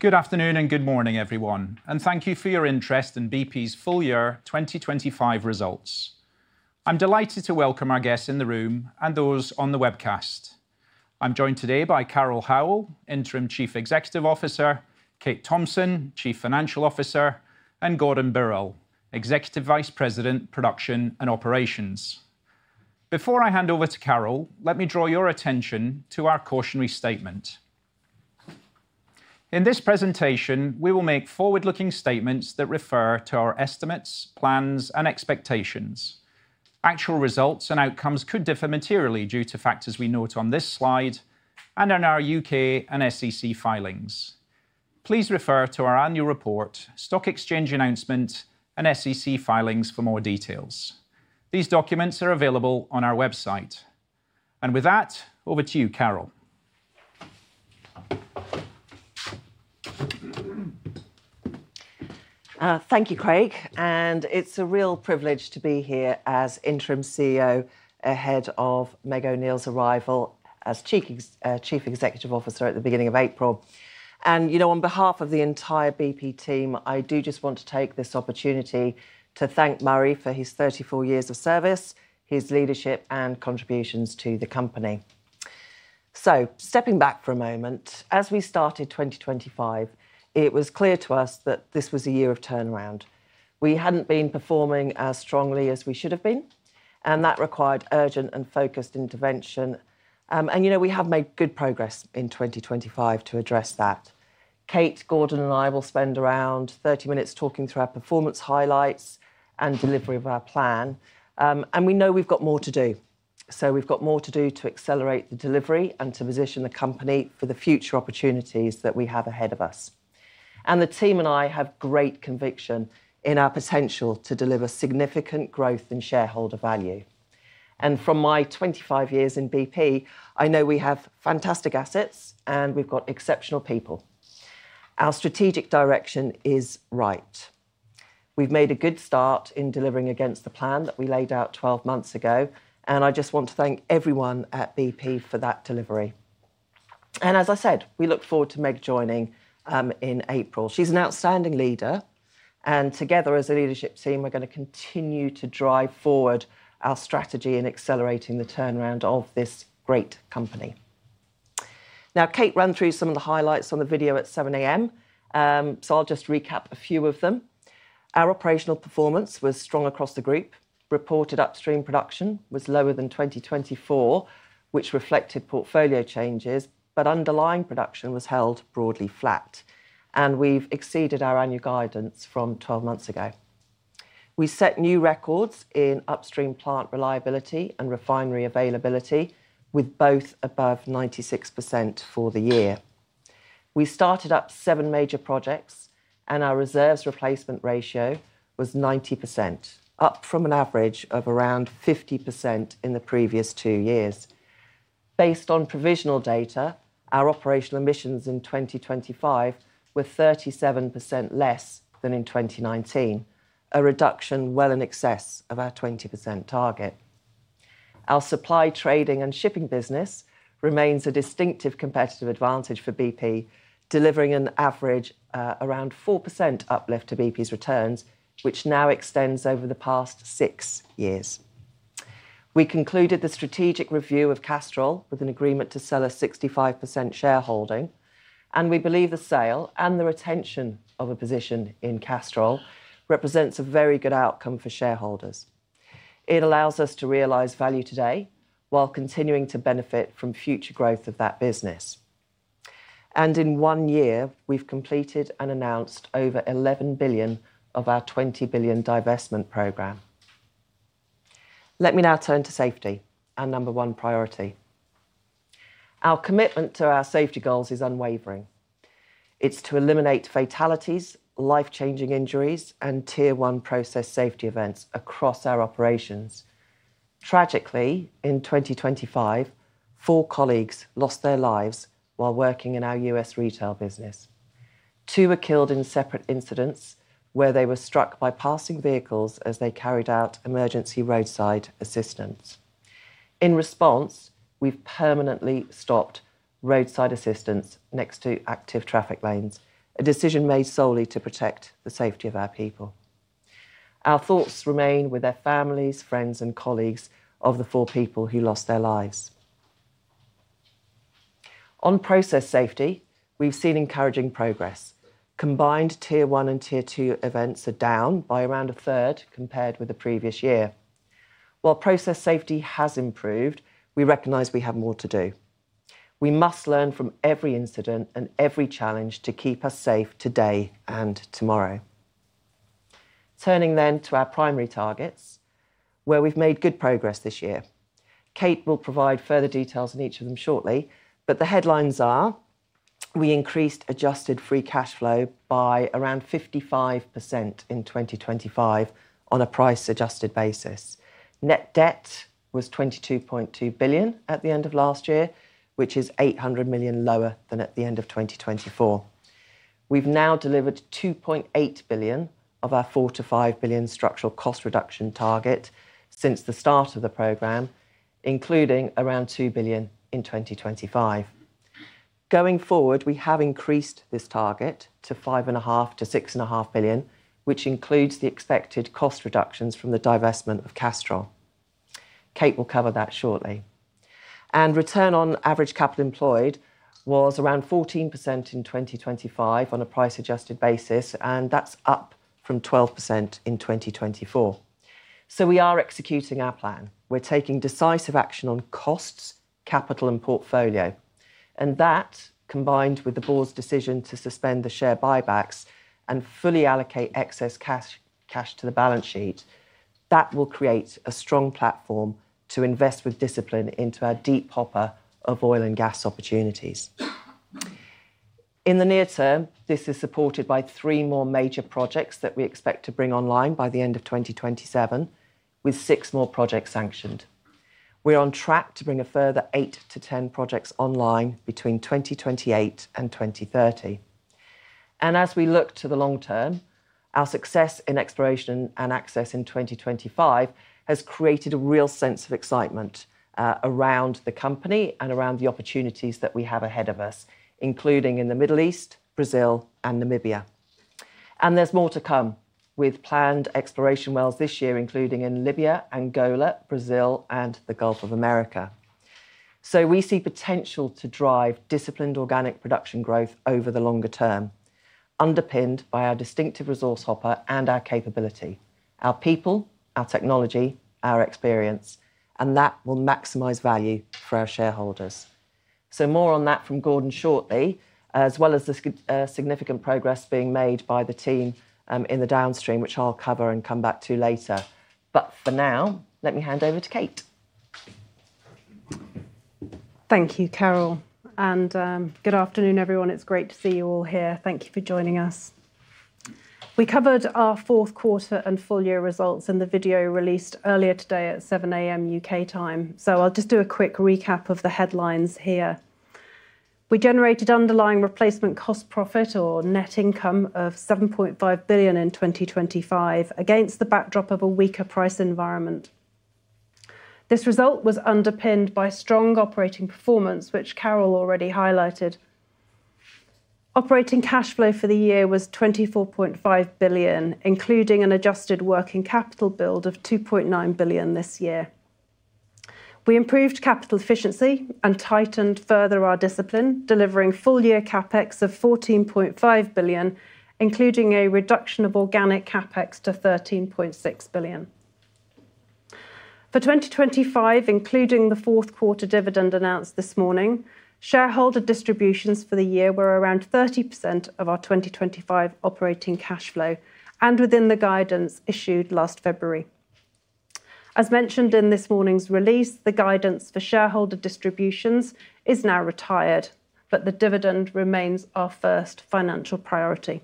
Good afternoon and good morning, everyone, and thank you for your interest in BP's full-year 2025 results. I'm delighted to welcome our guests in the room and those on the webcast. I'm joined today by Carol Howle, Interim Chief Executive Officer; Kate Thomson, Chief Financial Officer; and Gordon Birrell, Executive Vice President, Production and Operations. Before I hand over to Carol, let me draw your attention to our cautionary statement. In this presentation, we will make forward-looking statements that refer to our estimates, plans, and expectations. Actual results and outcomes could differ materially due to factors we note on this slide and in our UK and SEC filings. Please refer to our annual report, Stock Exchange Announcement, and SEC filings for more details. These documents are available on our website. With that, over to you, Carol. Thank you, Craig. It's a real privilege to be here as Interim CEO, ahead of Murray O'Neill's arrival as Chief Executive Officer at the beginning of April. On behalf of the entire BP team, I do just want to take this opportunity to thank Murray for his 34 years of service, his leadership, and contributions to the company. Stepping back for a moment, as we started 2025, it was clear to us that this was a year of turnaround. We hadn't been performing as strongly as we should have been, and that required urgent and focused intervention. We have made good progress in 2025 to address that. Kate, Gordon, and I will spend around 30 minutes talking through our performance highlights and delivery of our plan. We know we've got more to do. We've got more to do to accelerate the delivery and to position the company for the future opportunities that we have ahead of us. The team and I have great conviction in our potential to deliver significant growth and shareholder value. From my 25 years in BP, I know we have fantastic assets and we've got exceptional people. Our strategic direction is right. We've made a good start in delivering against the plan that we laid out 12 months ago, and I just want to thank everyone at BP for that delivery. As I said, we look forward to Meg joining in April. She's an outstanding leader, and together as a leadership team, we're going to continue to drive forward our strategy in accelerating the turnaround of this great company. Now, Kate ran through some of the highlights on the video at 7:00 A.M., so I'll just recap a few of them. Our operational performance was strong across the group. Reported upstream production was lower than 2024, which reflected portfolio changes, but underlying production was held broadly flat, and we've exceeded our annual guidance from 12 months ago. We set new records in upstream plant reliability and refinery availability, with both above 96% for the year. We started up 7 major projects, and our reserves replacement ratio was 90%, up from an average of around 50% in the previous 2 years. Based on provisional data, our operational emissions in 2025 were 37% less than in 2019, a reduction well in excess of our 20% target. Our supply, trading, and shipping business remains a distinctive competitive advantage for BP, delivering an average around 4% uplift to BP's returns, which now extends over the past six years. We concluded the strategic review of Castrol with an agreement to sell a 65% shareholding, and we believe the sale and the retention of a position in Castrol represents a very good outcome for shareholders. It allows us to realize value today while continuing to benefit from future growth of that business. In one year, we've completed and announced over $11 billion of our $20 billion divestment program. Let me now turn to safety, our number one priority. Our commitment to our safety goals is unwavering. It's to eliminate fatalities, life-changing injuries, and tier one process safety events across our operations. Tragically, in 2025, four colleagues lost their lives while working in our U.S. retail business. Two were killed in separate incidents where they were struck by passing vehicles as they carried out emergency roadside assistance. In response, we've permanently stopped roadside assistance next to active traffic lanes, a decision made solely to protect the safety of our people. Our thoughts remain with their families, friends, and colleagues of the four people who lost their lives. On process safety, we've seen encouraging progress. Combined Tier 1 and Tier 2 events are down by around a third compared with the previous year. While process safety has improved, we recognize we have more to do. We must learn from every incident and every challenge to keep us safe today and tomorrow. Turning then to our primary targets, where we've made good progress this year. Kate will provide further details on each of them shortly, but the headlines are: we increased adjusted free cash flow by around 55% in 2025 on a price-adjusted basis. Net debt was $22.2 billion at the end of last year, which is $800 million lower than at the end of 2024. We've now delivered $2.8 billion of our $4-$5 billion structural cost reduction target since the start of the program, including around $2 billion in 2025. Going forward, we have increased this target to $5.5-$6.5 billion, which includes the expected cost reductions from the divestment of Castrol. Kate will cover that shortly. Return on average capital employed was around 14% in 2025 on a price-adjusted basis, and that's up from 12% in 2024. We are executing our plan. We're taking decisive action on costs, capital, and portfolio. And that, combined with the board's decision to suspend the share buybacks and fully allocate excess cash to the balance sheet, will create a strong platform to invest with discipline into our deep hopper of oil and gas opportunities. In the near term, this is supported by 3 more major projects that we expect to bring online by the end of 2027, with 6 more projects sanctioned. We're on track to bring a further 8-10 projects online between 2028 and 2030. And as we look to the long term, our success in exploration and access in 2025 has created a real sense of excitement around the company and around the opportunities that we have ahead of us, including in the Middle East, Brazil, and Namibia. And there's more to come with planned exploration wells this year, including in Libya and Angola, Brazil, and the Gulf of Mexico. So we see potential to drive disciplined organic production growth over the longer term, underpinned by our distinctive resource hopper and our capability: our people, our technology, our experience, and that will maximize value for our shareholders. So more on that from Gordon shortly, as well as the significant progress being made by the team in the downstream, which I'll cover and come back to later. But for now, let me hand over to Kate. Thank you, Carol. Good afternoon, everyone. It's great to see you all here. Thank you for joining us. We covered our Q4 and full-year results in the video released earlier today at 7:00 A.M. U.K. time. I'll just do a quick recap of the headlines here. We generated underlying replacement cost profit, or net income, of $7.5 billion in 2025 against the backdrop of a weaker price environment. This result was underpinned by strong operating performance, which Carol already highlighted. Operating cash flow for the year was $24.5 billion, including an adjusted working capital build of $2.9 billion this year. We improved capital efficiency and tightened further our discipline, delivering full-year CapEx of $14.5 billion, including a reduction of organic CapEx to $13.6 billion. For 2025, including the Q4 dividend announced this morning, shareholder distributions for the year were around 30% of our 2025 operating cash flow and within the guidance issued last February. As mentioned in this morning's release, the guidance for shareholder distributions is now retired, but the dividend remains our first financial priority.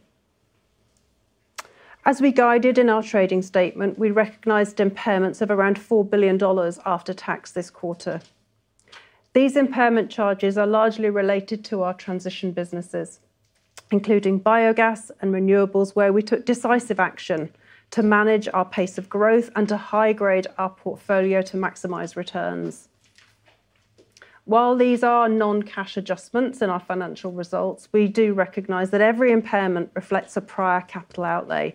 As we guided in our trading statement, we recognized impairments of around $4 billion after tax this quarter. These impairment charges are largely related to our transition businesses, including biogas and renewables, where we took decisive action to manage our pace of growth and to high-grade our portfolio to maximize returns. While these are non-cash adjustments in our financial results, we do recognize that every impairment reflects a prior capital outlay.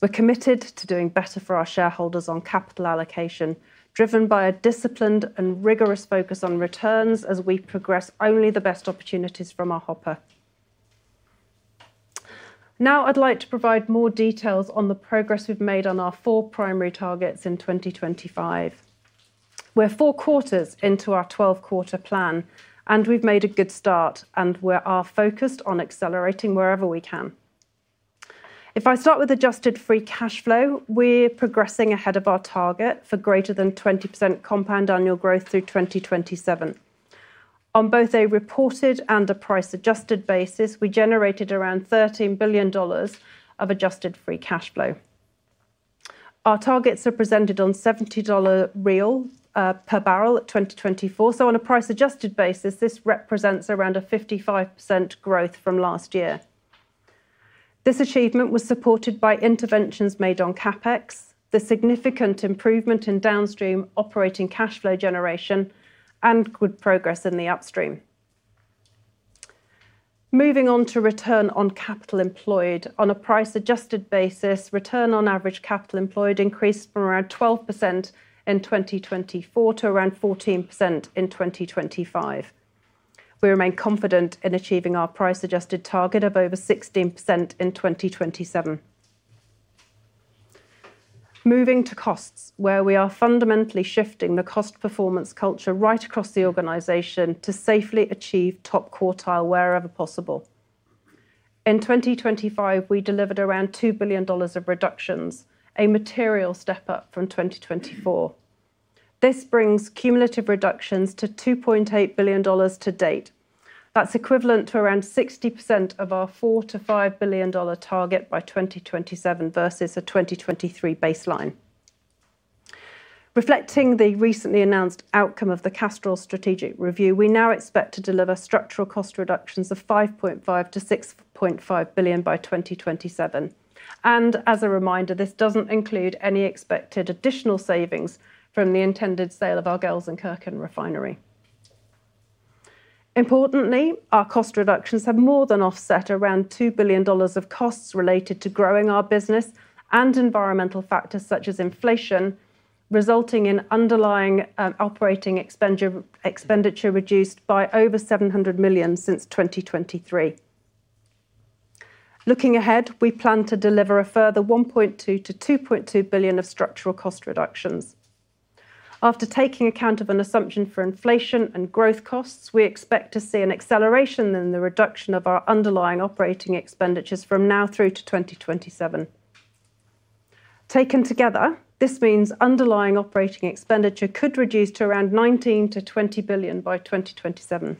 We're committed to doing better for our shareholders on capital allocation, driven by a disciplined and rigorous focus on returns as we progress only the best opportunities from our hopper. Now I'd like to provide more details on the progress we've made on our four primary targets in 2025. We're four quarters into our 12-quarter plan, and we've made a good start, and we are focused on accelerating wherever we can. If I start with adjusted free cash flow, we're progressing ahead of our target for greater than 20% compound annual growth through 2027. On both a reported and a price-adjusted basis, we generated around $13 billion of adjusted free cash flow. Our targets are presented on $70 real per barrel at 2024. So on a price-adjusted basis, this represents around a 55% growth from last year. This achievement was supported by interventions made on CapEx, the significant improvement in downstream operating cash flow generation, and good progress in the upstream. Moving on to return on capital employed. On a price-adjusted basis, return on average capital employed increased from around 12% in 2024 to around 14% in 2025. We remain confident in achieving our price-adjusted target of over 16% in 2027. Moving to costs, where we are fundamentally shifting the cost performance culture right across the organization to safely achieve top quartile wherever possible. In 2025, we delivered around $2 billion of reductions, a material step up from 2024. This brings cumulative reductions to $2.8 billion to date. That's equivalent to around 60% of our $4-$5 billion target by 2027 versus a 2023 baseline. Reflecting the recently announced outcome of the Castrol Strategic Review, we now expect to deliver structural cost reductions of $5.5-$6.5 billion by 2027. As a reminder, this doesn't include any expected additional savings from the intended sale of our Gelsenkirchen refinery. Importantly, our cost reductions have more than offset around $2 billion of costs related to growing our business and environmental factors such as inflation, resulting in underlying operating expenditure reduced by over $700 million since 2023. Looking ahead, we plan to deliver a further $1.2-$2.2 billion of structural cost reductions. After taking account of an assumption for inflation and growth costs, we expect to see an acceleration in the reduction of our underlying operating expenditures from now through to 2027. Taken together, this means underlying operating expenditure could reduce to around $19-$20 billion by 2027.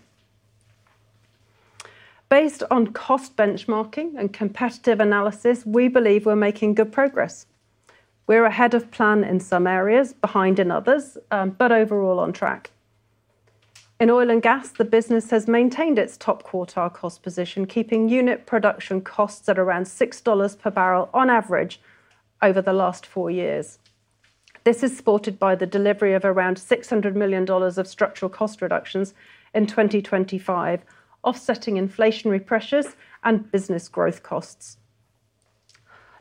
Based on cost benchmarking and competitive analysis, we believe we're making good progress. We're ahead of plan in some areas, behind in others, but overall on track. In oil and gas, the business has maintained its top quartile cost position, keeping unit production costs at around $6 per barrel on average over the last four years. This is supported by the delivery of around $600 million of structural cost reductions in 2025, offsetting inflationary pressures and business growth costs.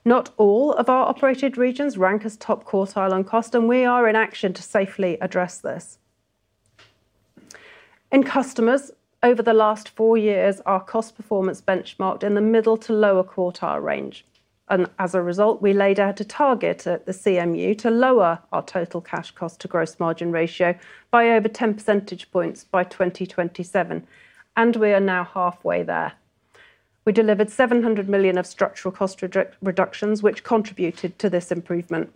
Not all of our operated regions rank as top quartile on cost, and we are in action to safely address this. In customers, over the last four years, our cost performance benchmarked in the middle to lower quartile range. As a result, we laid out a target at the CMD to lower our total cash cost to gross margin ratio by over 10 percentage points by 2027, and we are now halfway there. We delivered $700 million of structural cost reductions, which contributed to this improvement.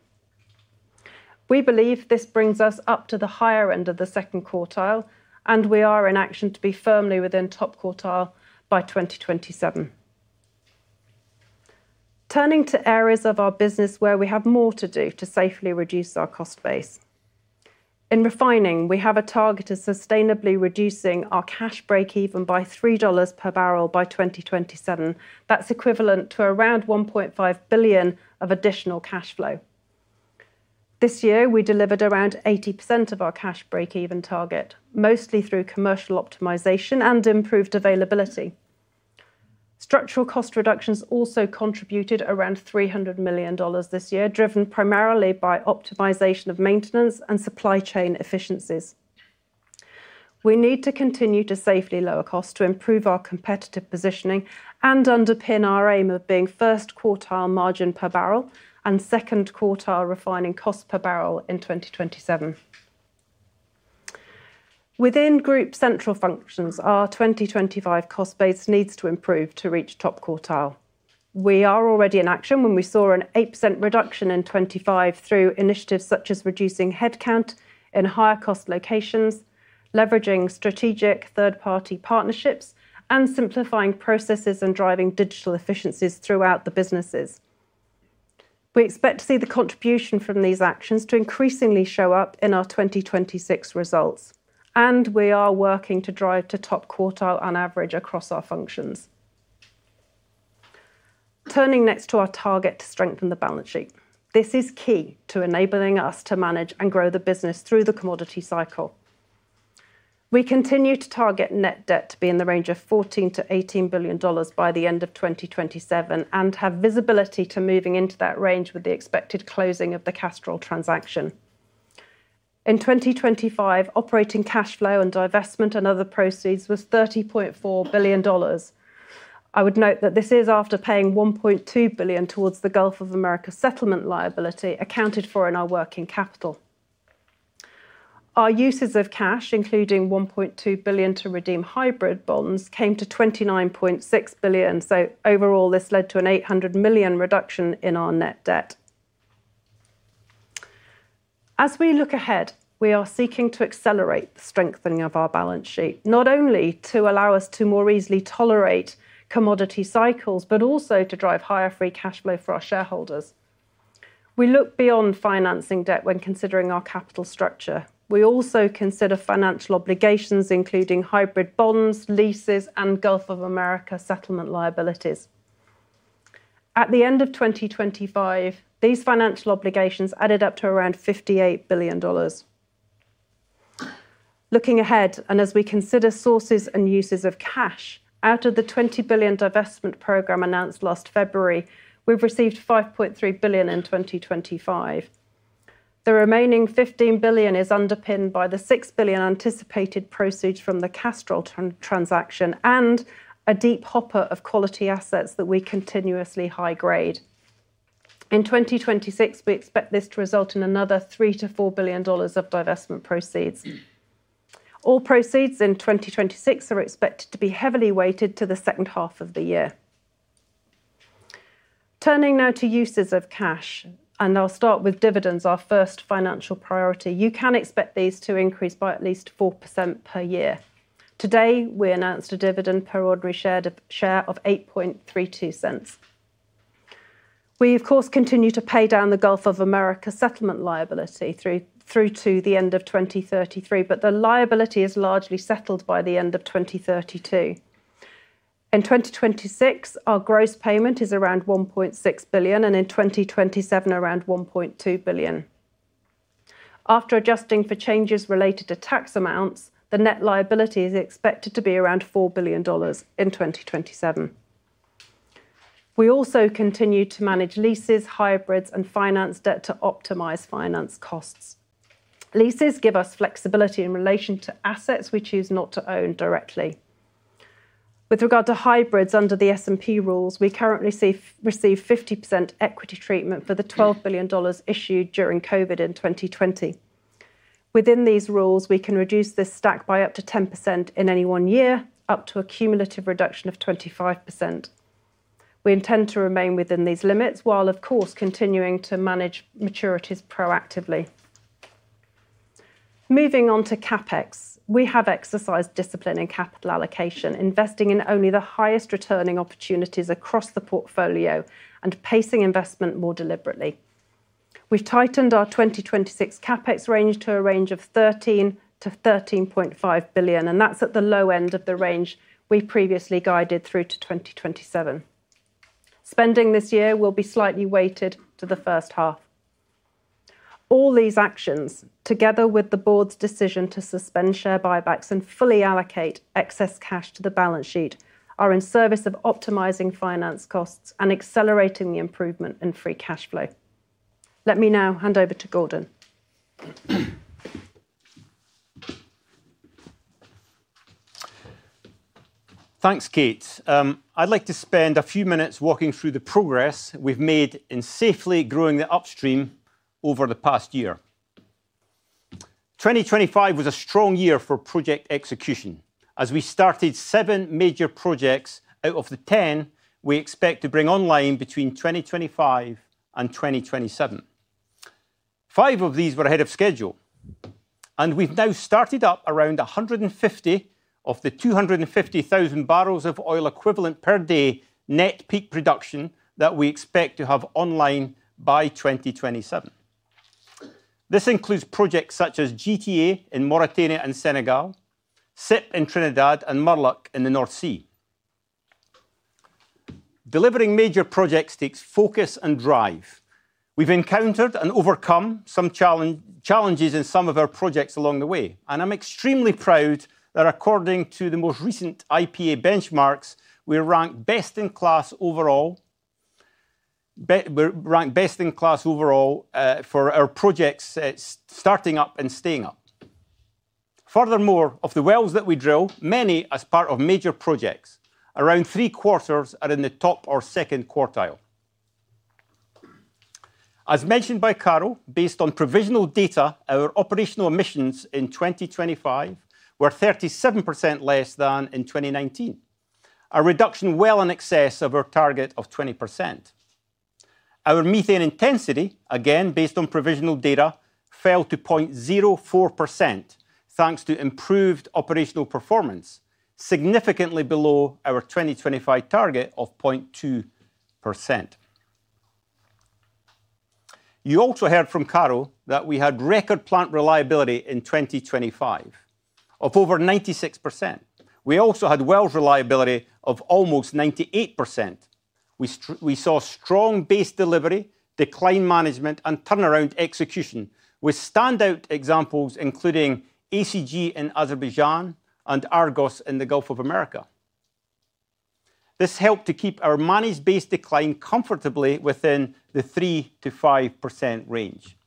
We believe this brings us up to the higher end of the second quartile, and we are in action to be firmly within top quartile by 2027. Turning to areas of our business where we have more to do to safely reduce our cost base. In refining, we have a target of sustainably reducing our cash breakeven by $3 per barrel by 2027. That's equivalent to around $1.5 billion of additional cash flow. This year, we delivered around 80% of our cash breakeven target, mostly through commercial optimization and improved availability. Structural cost reductions also contributed around $300 million this year, driven primarily by optimization of maintenance and supply chain efficiencies. We need to continue to safely lower costs to improve our competitive positioning and underpin our aim of being first quartile margin per barrel and second quartile refining cost per barrel in 2027. Within group central functions, our 2025 cost base needs to improve to reach top quartile. We are already in action when we saw an 8% reduction in 2025 through initiatives such as reducing headcount in higher cost locations, leveraging strategic third-party partnerships, and simplifying processes and driving digital efficiencies throughout the businesses. We expect to see the contribution from these actions to increasingly show up in our 2026 results, and we are working to drive to top quartile on average across our functions. Turning next to our target to strengthen the balance sheet, this is key to enabling us to manage and grow the business through the commodity cycle. We continue to target net debt to be in the range of $14-$18 billion by the end of 2027 and have visibility to moving into that range with the expected closing of the Castrol transaction. In 2025, operating cash flow and divestment and other proceeds was $30.4 billion. I would note that this is after paying $1.2 billion towards the Gulf of Mexico settlement liability accounted for in our working capital. Our uses of cash, including $1.2 billion to redeem hybrid bonds, came to $29.6 billion. So overall, this led to an $800 million reduction in our net debt. As we look ahead, we are seeking to accelerate the strengthening of our balance sheet, not only to allow us to more easily tolerate commodity cycles, but also to drive higher free cash flow for our shareholders. We look beyond financing debt when considering our capital structure. We also consider financial obligations, including hybrid bonds, leases, and Gulf of Mexico settlement liabilities. At the end of 2025, these financial obligations added up to around $58 billion. Looking ahead, and as we consider sources and uses of cash out of the $20 billion divestment program announced last February, we've received $5.3 billion in 2025. The remaining $15 billion is underpinned by the $6 billion anticipated proceeds from the Castrol transaction and a deep hopper of quality assets that we continuously high grade. In 2026, we expect this to result in another $3-$4 billion of divestment proceeds. All proceeds in 2026 are expected to be heavily weighted to the second half of the year. Turning now to uses of cash, and I'll start with dividends, our first financial priority. You can expect these to increase by at least 4% per year. Today, we announced a dividend per ordinary share of $0.0832. We, of course, continue to pay down the Gulf of Mexico settlement liability through to the end of 2033, but the liability is largely settled by the end of 2032. In 2026, our gross payment is around $1.6 billion and in 2027 around $1.2 billion. After adjusting for changes related to tax amounts, the net liability is expected to be around $4 billion in 2027. We also continue to manage leases, hybrids, and finance debt to optimize finance costs. Leases give us flexibility in relation to assets we choose not to own directly. With regard to hybrids under the S&P rules, we currently receive 50% equity treatment for the $12 billion issued during COVID in 2020. Within these rules, we can reduce this stack by up to 10% in any one year, up to a cumulative reduction of 25%. We intend to remain within these limits while, of course, continuing to manage maturities proactively. Moving on to CapEx, we have exercised discipline in capital allocation, investing in only the highest returning opportunities across the portfolio and pacing investment more deliberately. We've tightened our 2026 CapEx range to a range of $13-$13.5 billion, and that's at the low end of the range we previously guided through to 2027. Spending this year will be slightly weighted to the first half. All these actions, together with the board's decision to suspend share buybacks and fully allocate excess cash to the balance sheet, are in service of optimizing finance costs and accelerating the improvement in free cash flow. Let me now hand over to Gordon. Thanks, Kate. I'd like to spend a few minutes walking through the progress we've made in safely growing the upstream over the past year. 2025 was a strong year for project execution. As we started 7 major projects out of the 10, we expect to bring online between 2025 and 2027. 5 of these were ahead of schedule, and we've now started up around 150 of the 250,000 barrels of oil equivalent per day net peak production that we expect to have online by 2027. This includes projects such as GTA in Mauritania and Senegal, Cypre in Trinidad and Murlach in the North Sea. Delivering major projects takes focus and drive. We've encountered and overcome some challenges in some of our projects along the way, and I'm extremely proud that according to the most recent IPA benchmarks, we're ranked best in class overall. We're ranked best in class overall for our projects starting up and staying up. Furthermore, of the wells that we drill, many as part of major projects, around three quarters are in the top or second quartile. As mentioned by Carol, based on provisional data, our operational emissions in 2025 were 37% less than in 2019, a reduction well in excess of our target of 20%. Our methane intensity, again based on provisional data, fell to 0.04% thanks to improved operational performance, significantly below our 2025 target of 0.2%. You also heard from Carol that we had record plant reliability in 2025 of over 96%. We also had wells reliability of almost 98%. We saw strong base delivery, decline management, and turnaround execution with standout examples, including ACG in Azerbaijan and Argos in the Gulf of Mexico. This helped to keep our managed base decline comfortably within the 3%-5% range.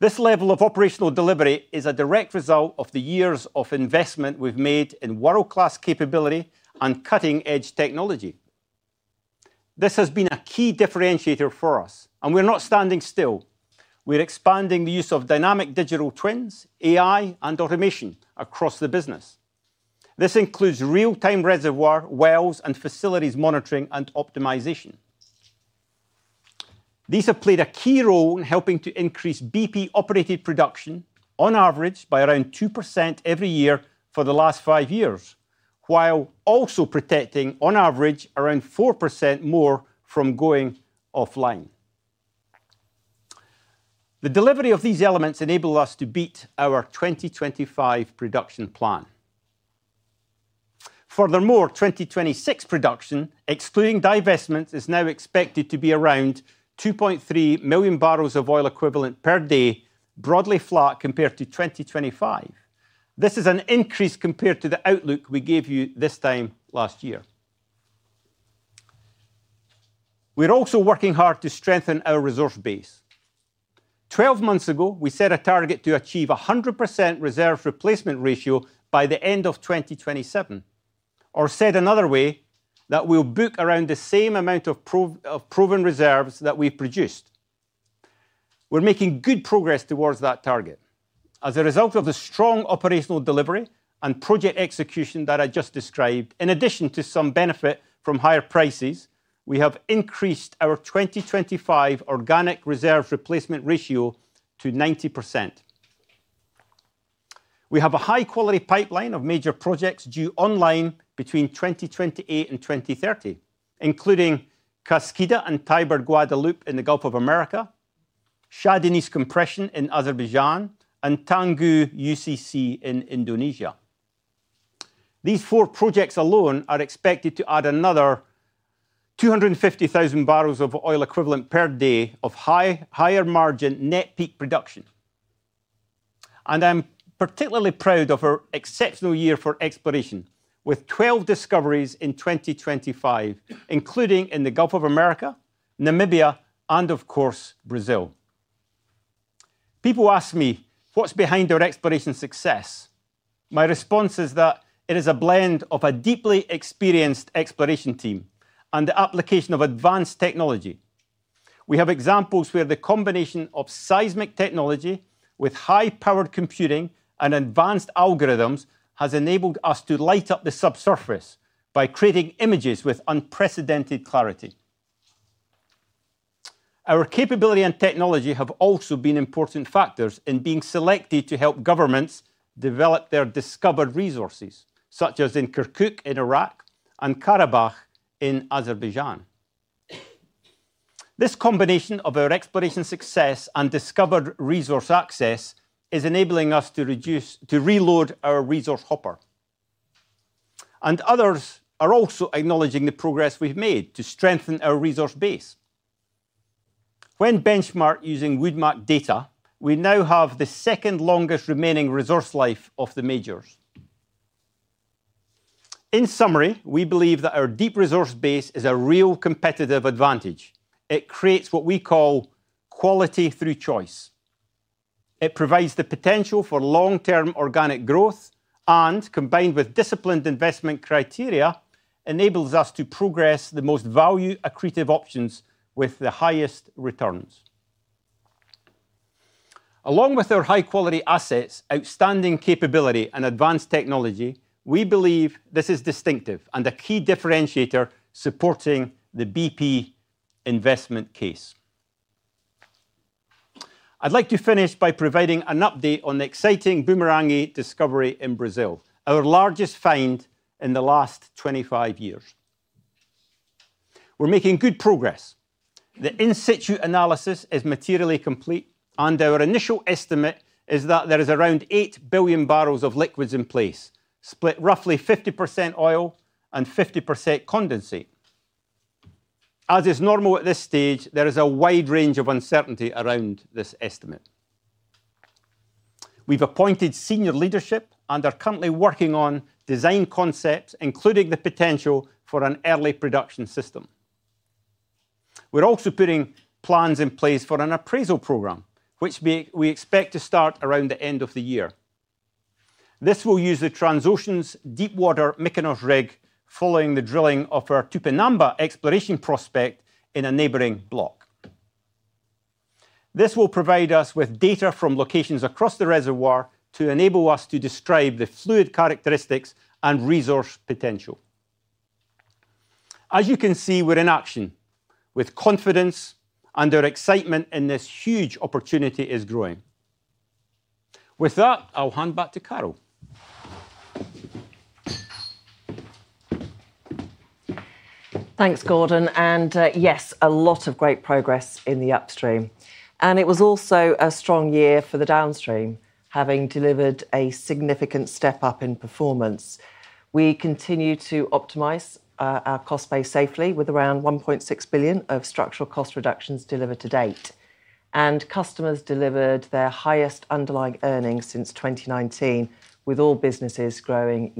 This level of operational delivery is a direct result of the years of investment we've made in world-class capability and cutting-edge technology. This has been a key differentiator for us, and we're not standing still. We're expanding the use of dynamic digital twins, AI, and automation across the business. This includes real-time reservoir wells and facilities monitoring and optimization. These have played a key role in helping to increase BP operated production on average by around 2% every year for the last five years, while also protecting on average around 4% more from going offline. The delivery of these elements enabled us to beat our 2025 production plan. Furthermore, 2026 production, excluding divestments, is now expected to be around 2.3 million barrels of oil equivalent per day, broadly flat compared to 2025. This is an increase compared to the outlook we gave you this time last year. We're also working hard to strengthen our resource base. Twelve months ago, we set a target to achieve a 100% reserve replacement ratio by the end of 2027, or said another way, that we'll book around the same amount of proven reserves that we've produced. We're making good progress towards that target. As a result of the strong operational delivery and project execution that I just described, in addition to some benefit from higher prices, we have increased our 2025 organic reserve replacement ratio to 90%. We have a high-quality pipeline of major projects due online between 2028 and 2030, including Kaskida and Tiber, Guadalupe in the Gulf of Mexico, Shah Deniz compression in Azerbaijan, and Tangguh UCC in Indonesia. These four projects alone are expected to add another 250,000 barrels of oil equivalent per day of higher margin net peak production. And I'm particularly proud of our exceptional year for exploration with 12 discoveries in 2025, including in the Gulf of Mexico, Namibia, and of course, Brazil. People ask me what's behind our exploration success. My response is that it is a blend of a deeply experienced exploration team and the application of advanced technology. We have examples where the combination of seismic technology with high-powered computing and advanced algorithms has enabled us to light up the subsurface by creating images with unprecedented clarity. Our capability and technology have also been important factors in being selected to help governments develop their discovered resources, such as in Kirkuk in Iraq and Karabakh in Azerbaijan. This combination of our exploration success and discovered resource access is enabling us to reduce to reload our resource hopper. Others are also acknowledging the progress we've made to strengthen our resource base. When benchmarked using Wood Mackenzie data, we now have the second longest remaining resource life of the majors. In summary, we believe that our deep resource base is a real competitive advantage. It creates what we call quality through choice. It provides the potential for long-term organic growth and, combined with disciplined investment criteria, enables us to progress the most value accretive options with the highest returns. Along with our high-quality assets, outstanding capability, and advanced technology, we believe this is distinctive and a key differentiator supporting the BP investment case. I'd like to finish by providing an update on the exciting Bumerangue discovery in Brazil, our largest find in the last 25 years. We're making good progress. The in situ analysis is materially complete, and our initial estimate is that there is around 8 billion barrels of liquids in place, split roughly 50% oil and 50% condensate. As is normal at this stage, there is a wide range of uncertainty around this estimate. We've appointed senior leadership and are currently working on design concepts, including the potential for an early production system. We're also putting plans in place for an appraisal program, which we expect to start around the end of the year. This will use the Transocean's Deepwater Mykonos rig following the drilling of our Tupinambá exploration prospect in a neighboring block. This will provide us with data from locations across the reservoir to enable us to describe the fluid characteristics and resource potential. As you can see, we're in action with confidence and our excitement in this huge opportunity is growing. With that, I'll hand back to Carol. Thanks, Gordon. Yes, a lot of great progress in the upstream. It was also a strong year for the downstream, having delivered a significant step up in performance. We continue to optimize our cost base safely with around $1.6 billion of structural cost reductions delivered to date, and customers delivered their highest underlying earnings since 2019, with all businesses growing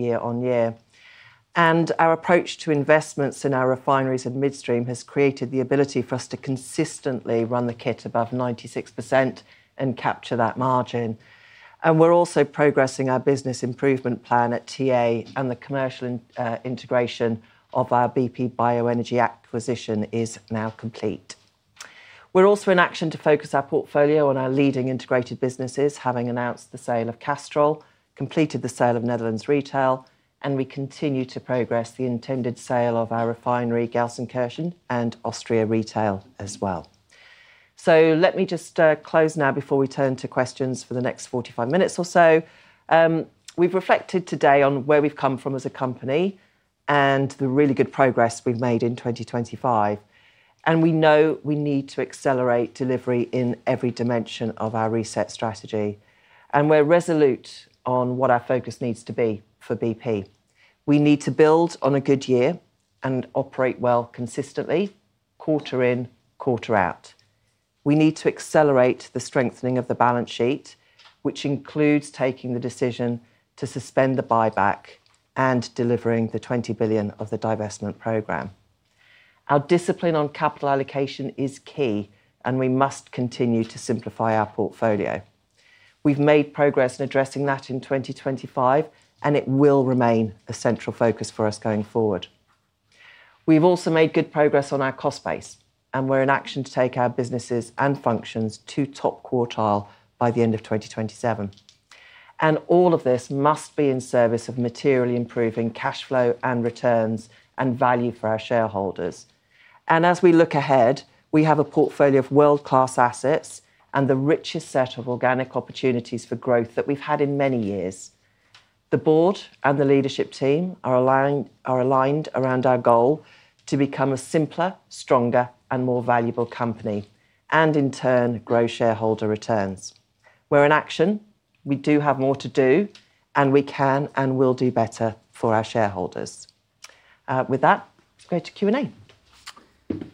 year-on-year. Our approach to investments in our refineries and midstream has created the ability for us to consistently run the kit above 96% and capture that margin. We're also progressing our business improvement plan at TA, and the commercial integration of our BP Bioenergy acquisition is now complete. We're also in action to focus our portfolio on our leading integrated businesses, having announced the sale of Castrol, completed the sale of Netherlands Retail, and we continue to progress the intended sale of our refinery, Gelsenkirchen, and Austria Retail as well. So let me just close now before we turn to questions for the next 45 minutes or so. We've reflected today on where we've come from as a company and the really good progress we've made in 2025. We know we need to accelerate delivery in every dimension of our reset strategy. We're resolute on what our focus needs to be for BP. We need to build on a good year and operate well consistently, quarter in, quarter out. We need to accelerate the strengthening of the balance sheet, which includes taking the decision to suspend the buyback and delivering the $20 billion of the divestment program. Our discipline on capital allocation is key, and we must continue to simplify our portfolio. We've made progress in addressing that in 2025, and it will remain a central focus for us going forward. We've also made good progress on our cost base, and we're in action to take our businesses and functions to top quartile by the end of 2027. All of this must be in service of materially improving cash flow and returns and value for our shareholders. As we look ahead, we have a portfolio of world-class assets and the richest set of organic opportunities for growth that we've had in many years. The board and the leadership team are aligned around our goal to become a simpler, stronger, and more valuable company and, in turn, grow shareholder returns. We're in action. We do have more to do, and we can and will do better for our shareholders. With that, let's go to Q&A. Okay,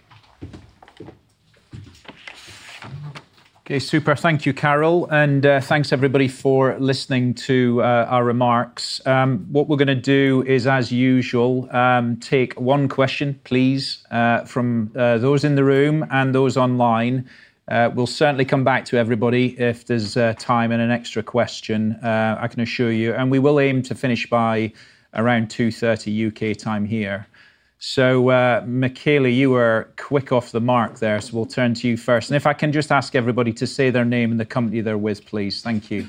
super. Thank you, Carol. And thanks, everybody, for listening to our remarks. What we're going to do is, as usual, take one question, please, from those in the room and those online. We'll certainly come back to everybody if there's time and an extra question, I can assure you. And we will aim to finish by around 2:30 P.M. U.K. time here. So, Michele, you were quick off the mark there. So we'll turn to you first. And if I can just ask everybody to say their name and the company they're with, please. Thank you.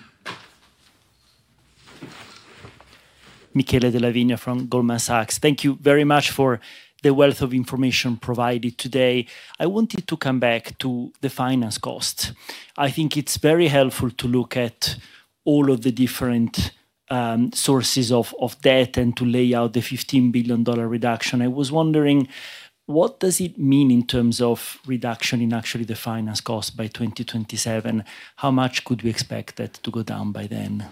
Della Vigna from Goldman Sachs. Thank you very much for the wealth of information provided today. I wanted to come back to the finance costs. I think it's very helpful to look at all of the different sources of debt and to lay out the $15 billion reduction. I was wondering, what does it mean in terms of reduction in actually the finance costs by 2027? How much could we expect that to go down by then?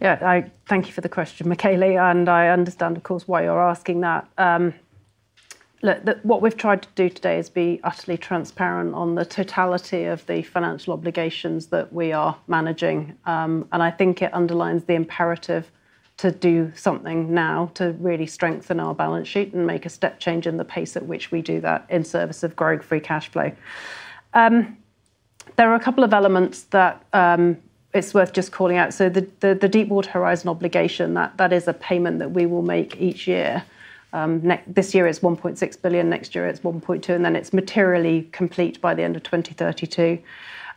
Yeah, thank you for the question, Michele. And I understand, of course, why you're asking that. Look, what we've tried to do today is be utterly transparent on the totality of the financial obligations that we are managing. And I think it underlines the imperative to do something now to really strengthen our balance sheet and make a step change in the pace at which we do that in service of growing free cash flow. There are a couple of elements that it's worth just calling out. So the Deepwater Horizon obligation, that is a payment that we will make each year. This year it's $1.6 billion. Next year it's $1.2 billion. And then it's materially complete by the end of 2032.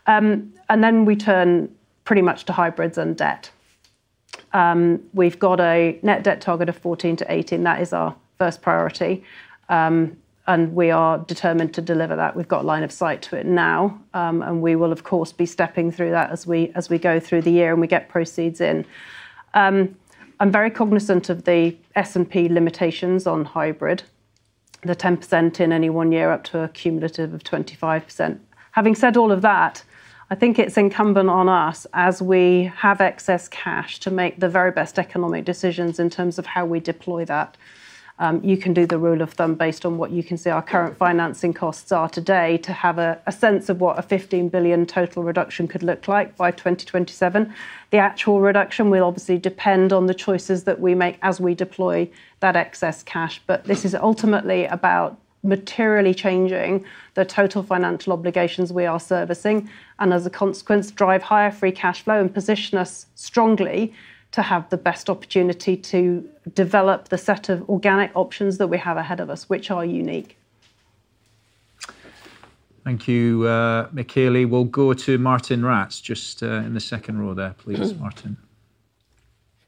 And then we turn pretty much to hybrids and debt. We've got a net debt target of 14-18. That is our first priority. We are determined to deliver that. We've got line of sight to it now. We will, of course, be stepping through that as we go through the year and we get proceeds in. I'm very cognizant of the S&P limitations on hybrid, the 10% in any one year up to a cumulative of 25%. Having said all of that, I think it's incumbent on us, as we have excess cash, to make the very best economic decisions in terms of how we deploy that. You can do the rule of thumb based on what you can see our current financing costs are today to have a sense of what a $15 billion total reduction could look like by 2027. The actual reduction will obviously depend on the choices that we make as we deploy that excess cash. But this is ultimately about materially changing the total financial obligations we are servicing and, as a consequence, drive higher free cash flow and position us strongly to have the best opportunity to develop the set of organic options that we have ahead of us, which are unique. Thank you, Michele. We'll go to Martin Ratz just in the second row there, please, Martin.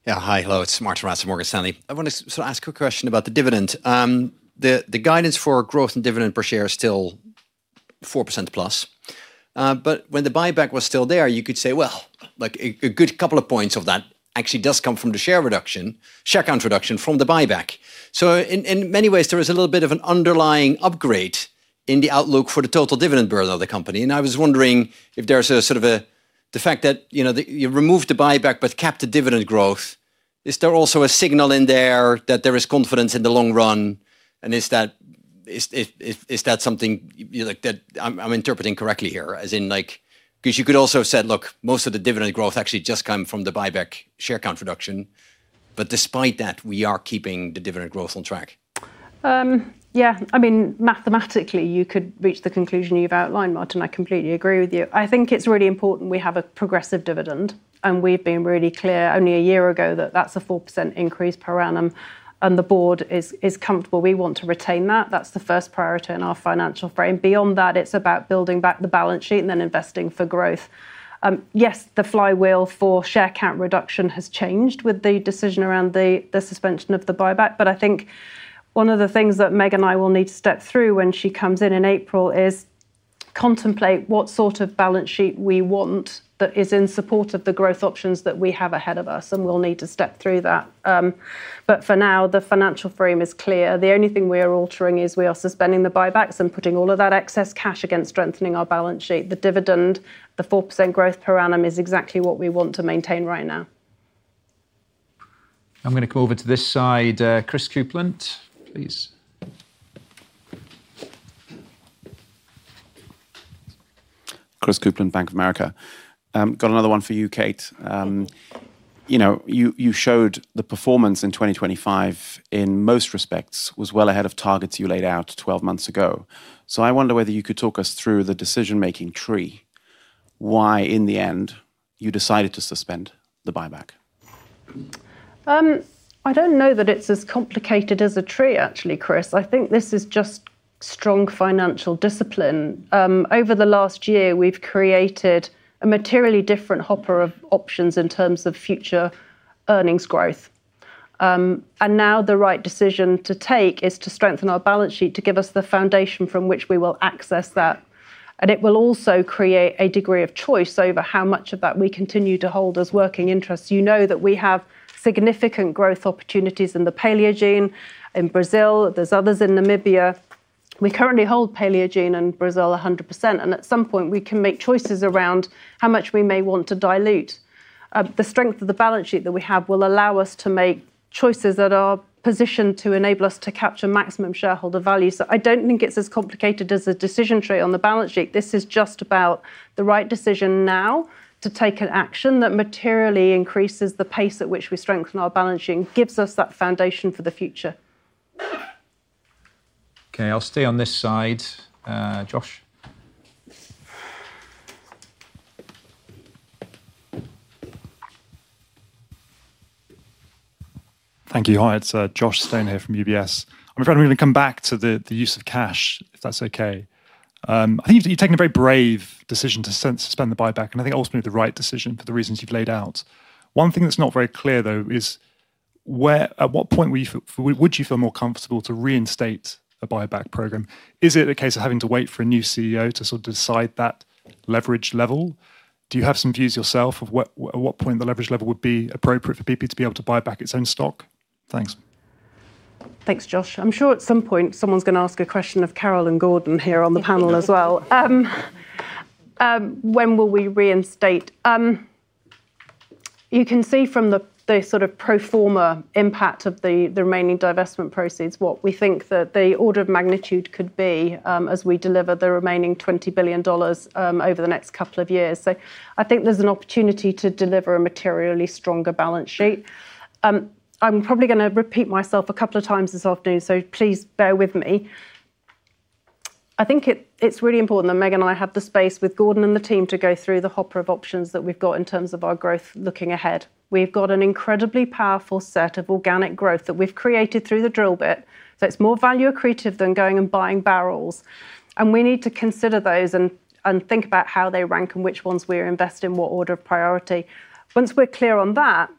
Yeah, hi, hello. It's Martin Ratz at Morgan Stanley. I want to sort of ask a quick question about the dividend. The guidance for growth and dividend per share is still 4%+. But when the buyback was still there, you could say, well, a good couple of points of that actually does come from the share reduction, share account reduction from the buyback. So in many ways, there is a little bit of an underlying upgrade in the outlook for the total dividend burden of the company. And I was wondering if there's sort of the fact that you removed the buyback but kept the dividend growth, is there also a signal in there that there is confidence in the long run? Is that something that I'm interpreting correctly here, as in because you could also have said, look, most of the dividend growth actually just came from the buyback share account reduction. But despite that, we are keeping the dividend growth on track. Yeah, I mean, mathematically, you could reach the conclusion you've outlined, Martin. I completely agree with you. I think it's really important we have a progressive dividend. And we've been really clear only a year ago that that's a 4% increase per annum. And the board is comfortable. We want to retain that. That's the first priority in our financial frame. Beyond that, it's about building back the balance sheet and then investing for growth. Yes, the flywheel for share account reduction has changed with the decision around the suspension of the buyback. But I think one of the things that Meghan and I will need to step through when she comes in in April is contemplate what sort of balance sheet we want that is in support of the growth options that we have ahead of us. And we'll need to step through that. But for now, the financial frame is clear. The only thing we are altering is we are suspending the buybacks and putting all of that excess cash against strengthening our balance sheet. The dividend, the 4% growth per annum, is exactly what we want to maintain right now. I'm going to come over to this side. Chris Kuplent, please. Christopher Kuplent, Bank of America. Got another one for you, Kate. You showed the performance in 2025, in most respects, was well ahead of targets you laid out 12 months ago. So I wonder whether you could talk us through the decision-making tree, why in the end you decided to suspend the buyback. I don't know that it's as complicated as a tree, actually, Chris. I think this is just strong financial discipline. Over the last year, we've created a materially different hopper of options in terms of future earnings growth. And now the right decision to take is to strengthen our balance sheet to give us the foundation from which we will access that. And it will also create a degree of choice over how much of that we continue to hold as working interests. You know that we have significant growth opportunities in the Paleogene in Brazil. There's others in Namibia. We currently hold Paleogene in Brazil 100%. And at some point, we can make choices around how much we may want to dilute. The strength of the balance sheet that we have will allow us to make choices that are positioned to enable us to capture maximum shareholder value. I don't think it's as complicated as a decision tree on the balance sheet. This is just about the right decision now to take an action that materially increases the pace at which we strengthen our balance sheet and gives us that foundation for the future. Okay, I'll stay on this side. Josh. Thank you. Hi, it's Josh Stone here from UBS. I'm afraid I'm going to come back to the use of cash, if that's okay. I think you've taken a very brave decision to suspend the buyback. And I think ultimately the right decision for the reasons you've laid out. One thing that's not very clear, though, is at what point would you feel more comfortable to reinstate a buyback program? Is it a case of having to wait for a new CEO to sort of decide that leverage level? Do you have some views yourself of at what point the leverage level would be appropriate for BP to be able to buy back its own stock? Thanks. Thanks, Josh. I'm sure at some point someone's going to ask a question of Carol and Gordon here on the panel as well. When will we reinstate? You can see from the sort of pro forma impact of the remaining divestment proceeds what we think that the order of magnitude could be as we deliver the remaining $20 billion over the next couple of years. So I think there's an opportunity to deliver a materially stronger balance sheet. I'm probably going to repeat myself a couple of times this afternoon, so please bear with me. I think it's really important that Meg and I have the space with Gordon and the team to go through the hopper of options that we've got in terms of our growth looking ahead. We've got an incredibly powerful set of organic growth that we've created through the drill bit. So it's more value accretive than going and buying barrels. And we need to consider those and think about how they rank and which ones we invest in what order of priority. Once we're clear on that,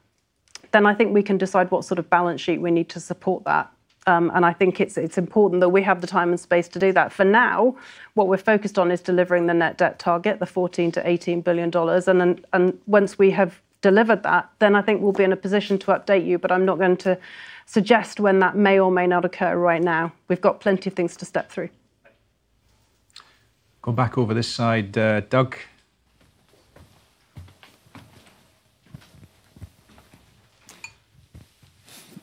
then I think we can decide what sort of balance sheet we need to support that. And I think it's important that we have the time and space to do that. For now, what we're focused on is delivering the net debt target, the $14-$18 billion. And once we have delivered that, then I think we'll be in a position to update you. But I'm not going to suggest when that may or may not occur right now. We've got plenty of things to step through. Go back over this slide. Doug.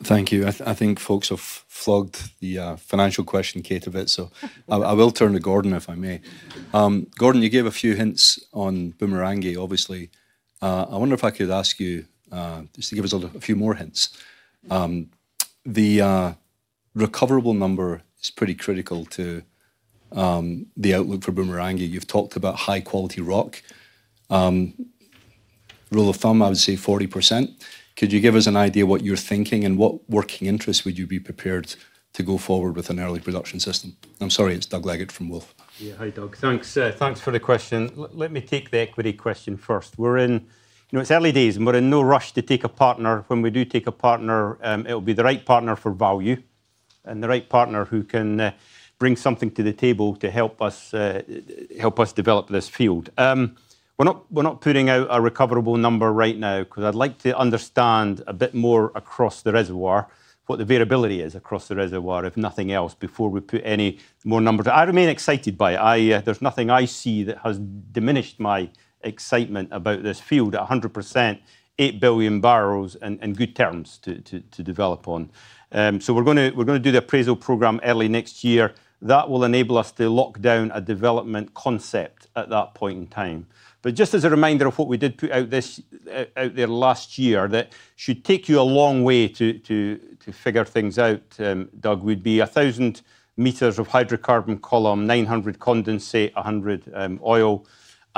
Thank you. I think folks have flagged the financial question, Kate, a bit. So I will turn to Gordon if I may. Gordon, you gave a few hints on Bumerangue, obviously. I wonder if I could ask you just to give us a few more hints. The recoverable number is pretty critical to the outlook for Bumerangue. You've talked about high-quality rock. Rule of thumb, I would say 40%. Could you give us an idea what you're thinking and what working interests would you be prepared to go forward with an early production system? I'm sorry, it's Doug Leggett from Wolfe. Yeah, hi, Doug. Thanks for the question. Let me take the equity question first. It's early days, and we're in no rush to take a partner. When we do take a partner, it'll be the right partner for value and the right partner who can bring something to the table to help us develop this field. We're not putting out a recoverable number right now because I'd like to understand a bit more across the reservoir, what the variability is across the reservoir, if nothing else, before we put any more numbers. I remain excited by it. There's nothing I see that has diminished my excitement about this field at 100%, 8 billion barrels in good terms to develop on. So we're going to do the appraisal program early next year. That will enable us to lock down a development concept at that point in time. Just as a reminder of what we did put out there last year that should take you a long way to figure things out, Doug, would be 1,000 meters of hydrocarbon column, 900 condensate, 100 oil.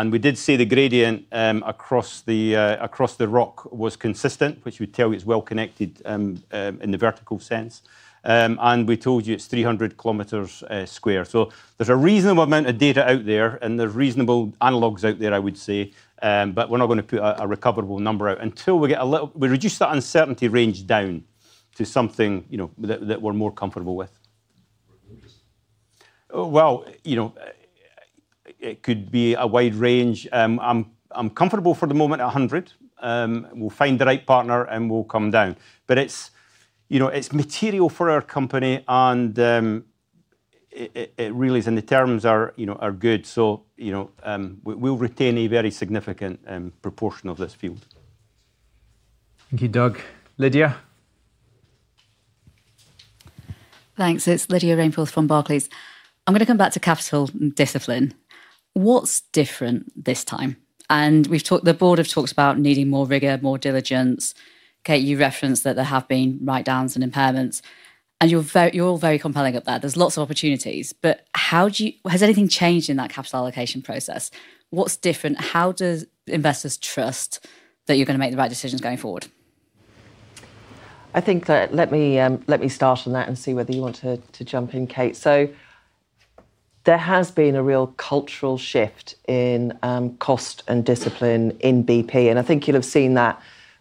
We did say the gradient across the rock was consistent, which would tell you it's well connected in the vertical sense. We told you it's 300 square kilometers. There's a reasonable amount of data out there, and there's reasonable analogs out there, I would say. We're not going to put a recoverable number out until we reduce that uncertainty range down to something that we're more comfortable with. Very interesting. Well, it could be a wide range. I'm comfortable for the moment at 100. We'll find the right partner, and we'll come down. But it's material for our company, and it really is, and the terms are good. So we'll retain a very significant proportion of this field. Thank you, Doug. Lydia. Thanks. It's Lydia Rainforth from Barclays. I'm going to come back to capital and discipline. What's different this time? And the board have talked about needing more rigor, more diligence. Kate, you referenced that there have been write-downs and impairments. And you're all very compelling up there. There's lots of opportunities. But has anything changed in that capital allocation process? What's different? How do investors trust that you're going to make the right decisions going forward? I think that, let me start on that and see whether you want to jump in, Kate. So there has been a real cultural shift in cost and discipline in BP. And I think you'll have seen that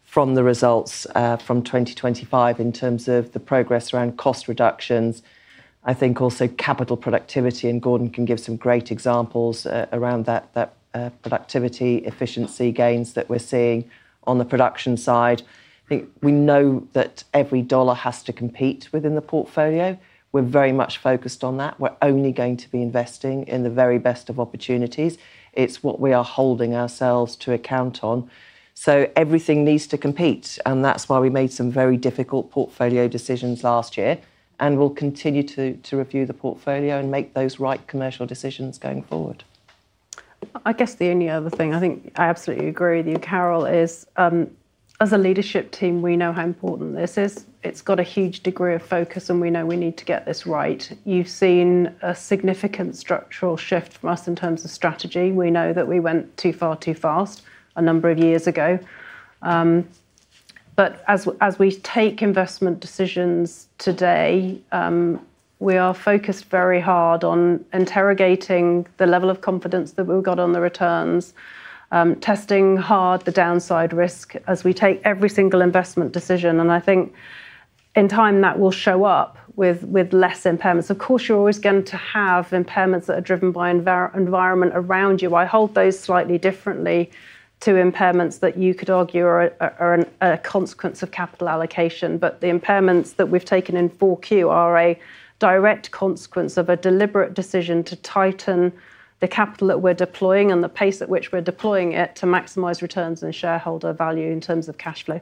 from the results from 2025 in terms of the progress around cost reductions. I think also capital productivity, and Gordon can give some great examples around that productivity, efficiency gains that we're seeing on the production side. I think we know that every dollar has to compete within the portfolio. We're very much focused on that. We're only going to be investing in the very best of opportunities. It's what we are holding ourselves to account on. So everything needs to compete. And that's why we made some very difficult portfolio decisions last year. And we'll continue to review the portfolio and make those right commercial decisions going forward. I guess the only other thing I think I absolutely agree with you, Carol, is as a leadership team, we know how important this is. It's got a huge degree of focus, and we know we need to get this right. You've seen a significant structural shift from us in terms of strategy. We know that we went too far, too fast a number of years ago. But as we take investment decisions today, we are focused very hard on interrogating the level of confidence that we've got on the returns, testing hard the downside risk as we take every single investment decision. And I think in time, that will show up with less impairments. Of course, you're always going to have impairments that are driven by environment around you. I hold those slightly differently to impairments that you could argue are a consequence of capital allocation. But the impairments that we've taken in 4Q are a direct consequence of a deliberate decision to tighten the capital that we're deploying and the pace at which we're deploying it to maximize returns and shareholder value in terms of cash flow.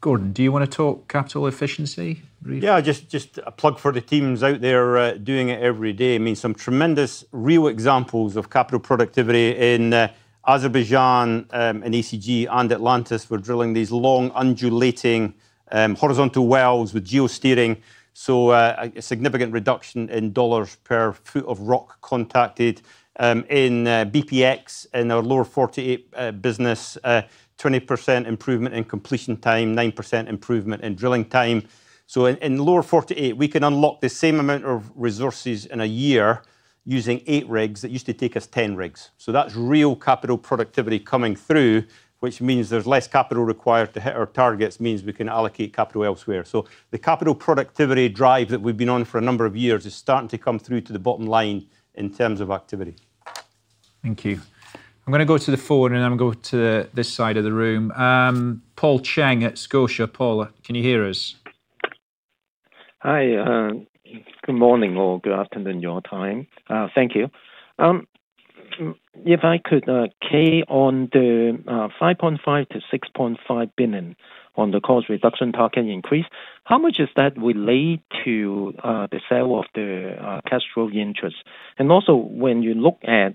Gordon, do you want to talk capital efficiency briefly? Yeah, just a plug for the teams out there doing it every day. I mean, some tremendous real examples of capital productivity in Azerbaijan and ACG and Atlantis. We're drilling these long, undulating, horizontal wells with geosteering. So a significant reduction in $ per foot of rock contacted. In BPX, in our lower 48 business, 20% improvement in completion time, 9% improvement in drilling time. So in lower 48, we can unlock the same amount of resources in a year using 8 rigs that used to take us 10 rigs. So that's real capital productivity coming through, which means there's less capital required to hit our targets, means we can allocate capital elsewhere. So the capital productivity drive that we've been on for a number of years is starting to come through to the bottom line in terms of activity. Thank you. I'm going to go to the phone, and then I'm going to go to this side of the room. Paul Cheng at Scotiabank, Paul, can you hear us? Hi. Good morning or good afternoon your time. Thank you. If I could carry on the $5.5-$6.5 billion on the cost reduction target increase, how much is that related to the sale of the cash flow interest? And also, when you look at,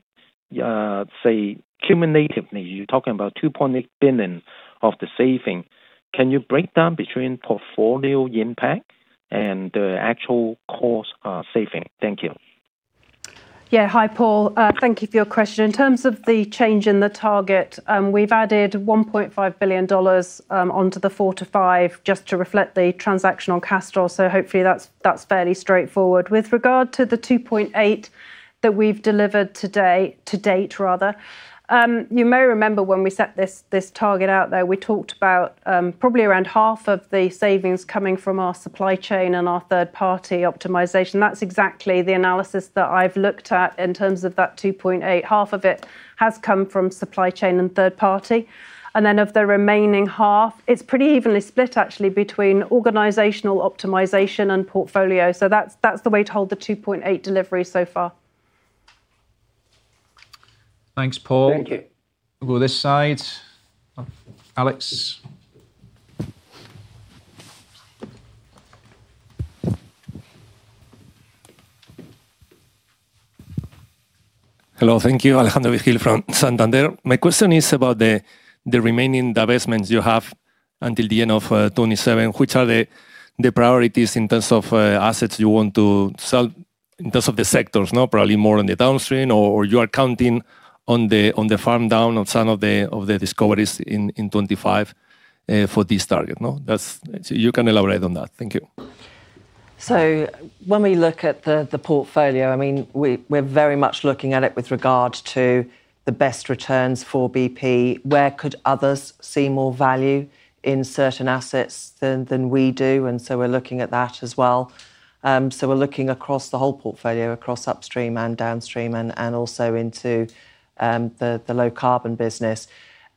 say, cumulatively, you're talking about $2.8 billion of the saving. Can you break down between portfolio impact and the actual cost saving? Thank you. Yeah, hi, Paul. Thank you for your question. In terms of the change in the target, we've added $1.5 billion onto the $4-$5 billion just to reflect the transactional cash flow. So hopefully, that's fairly straightforward. With regard to the $2.8 billion that we've delivered to date, rather, you may remember when we set this target out there, we talked about probably around half of the savings coming from our supply chain and our third-party optimization. That's exactly the analysis that I've looked at in terms of that $2.8 billion. Half of it has come from supply chain and third-party. And then of the remaining half, it's pretty evenly split, actually, between organizational optimization and portfolio. So that's the way to hold the $2.8 billion delivery so far. Thanks, Paul. Thank you. We'll go this side. Alex. Hello. Thank you. Alejandro Vigil from Santander. My question is about the remaining divestments you have until the end of 2027, which are the priorities in terms of assets you want to sell in terms of the sectors, probably more in the downstream, or you are counting on the farm down of some of the discoveries in 2025 for this target? You can elaborate on that. Thank you. So when we look at the portfolio, I mean, we're very much looking at it with regard to the best returns for BP. Where could others see more value in certain assets than we do? And so we're looking at that as well. So we're looking across the whole portfolio, across upstream and downstream, and also into the low-carbon business.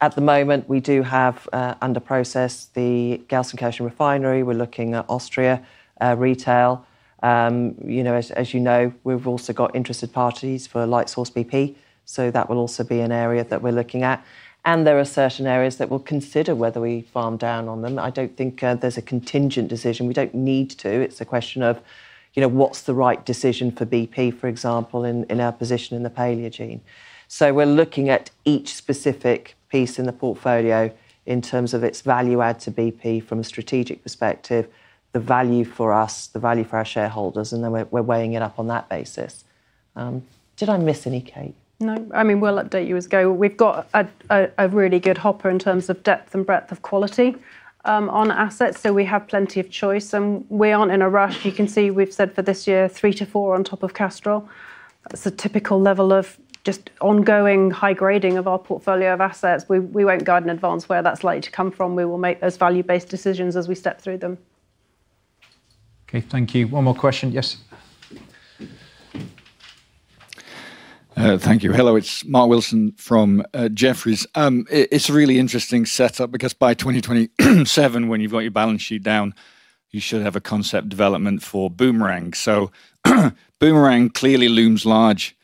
At the moment, we do have under process the Gelsenkirchen refinery. We're looking at Austria retail. As you know, we've also got interested parties for Lightsource bp. So that will also be an area that we're looking at. And there are certain areas that we'll consider whether we farm down on them. I don't think there's a contingent decision. We don't need to. It's a question of what's the right decision for BP, for example, in our position in the Paleogene. So we're looking at each specific piece in the portfolio in terms of its value add to BP from a strategic perspective, the value for us, the value for our shareholders, and then we're weighing it up on that basis. Did I miss any, Kate? No. I mean, we'll update you as we go. We've got a really good hopper in terms of depth and breadth of quality on assets. So we have plenty of choice. And we aren't in a rush. You can see we've said for this year, 3-4 on top of cash flow. It's a typical level of just ongoing high grading of our portfolio of assets. We won't guide in advance where that's likely to come from. We will make those value-based decisions as we step through them. Okay. Thank you. One more question. Yes. Thank you. Hello. It's Mark Wilson from Jefferies. It's a really interesting setup because by 2027, when you've got your balance sheet down, you should have a concept development for Bumerangue. So Bumerangue clearly looms large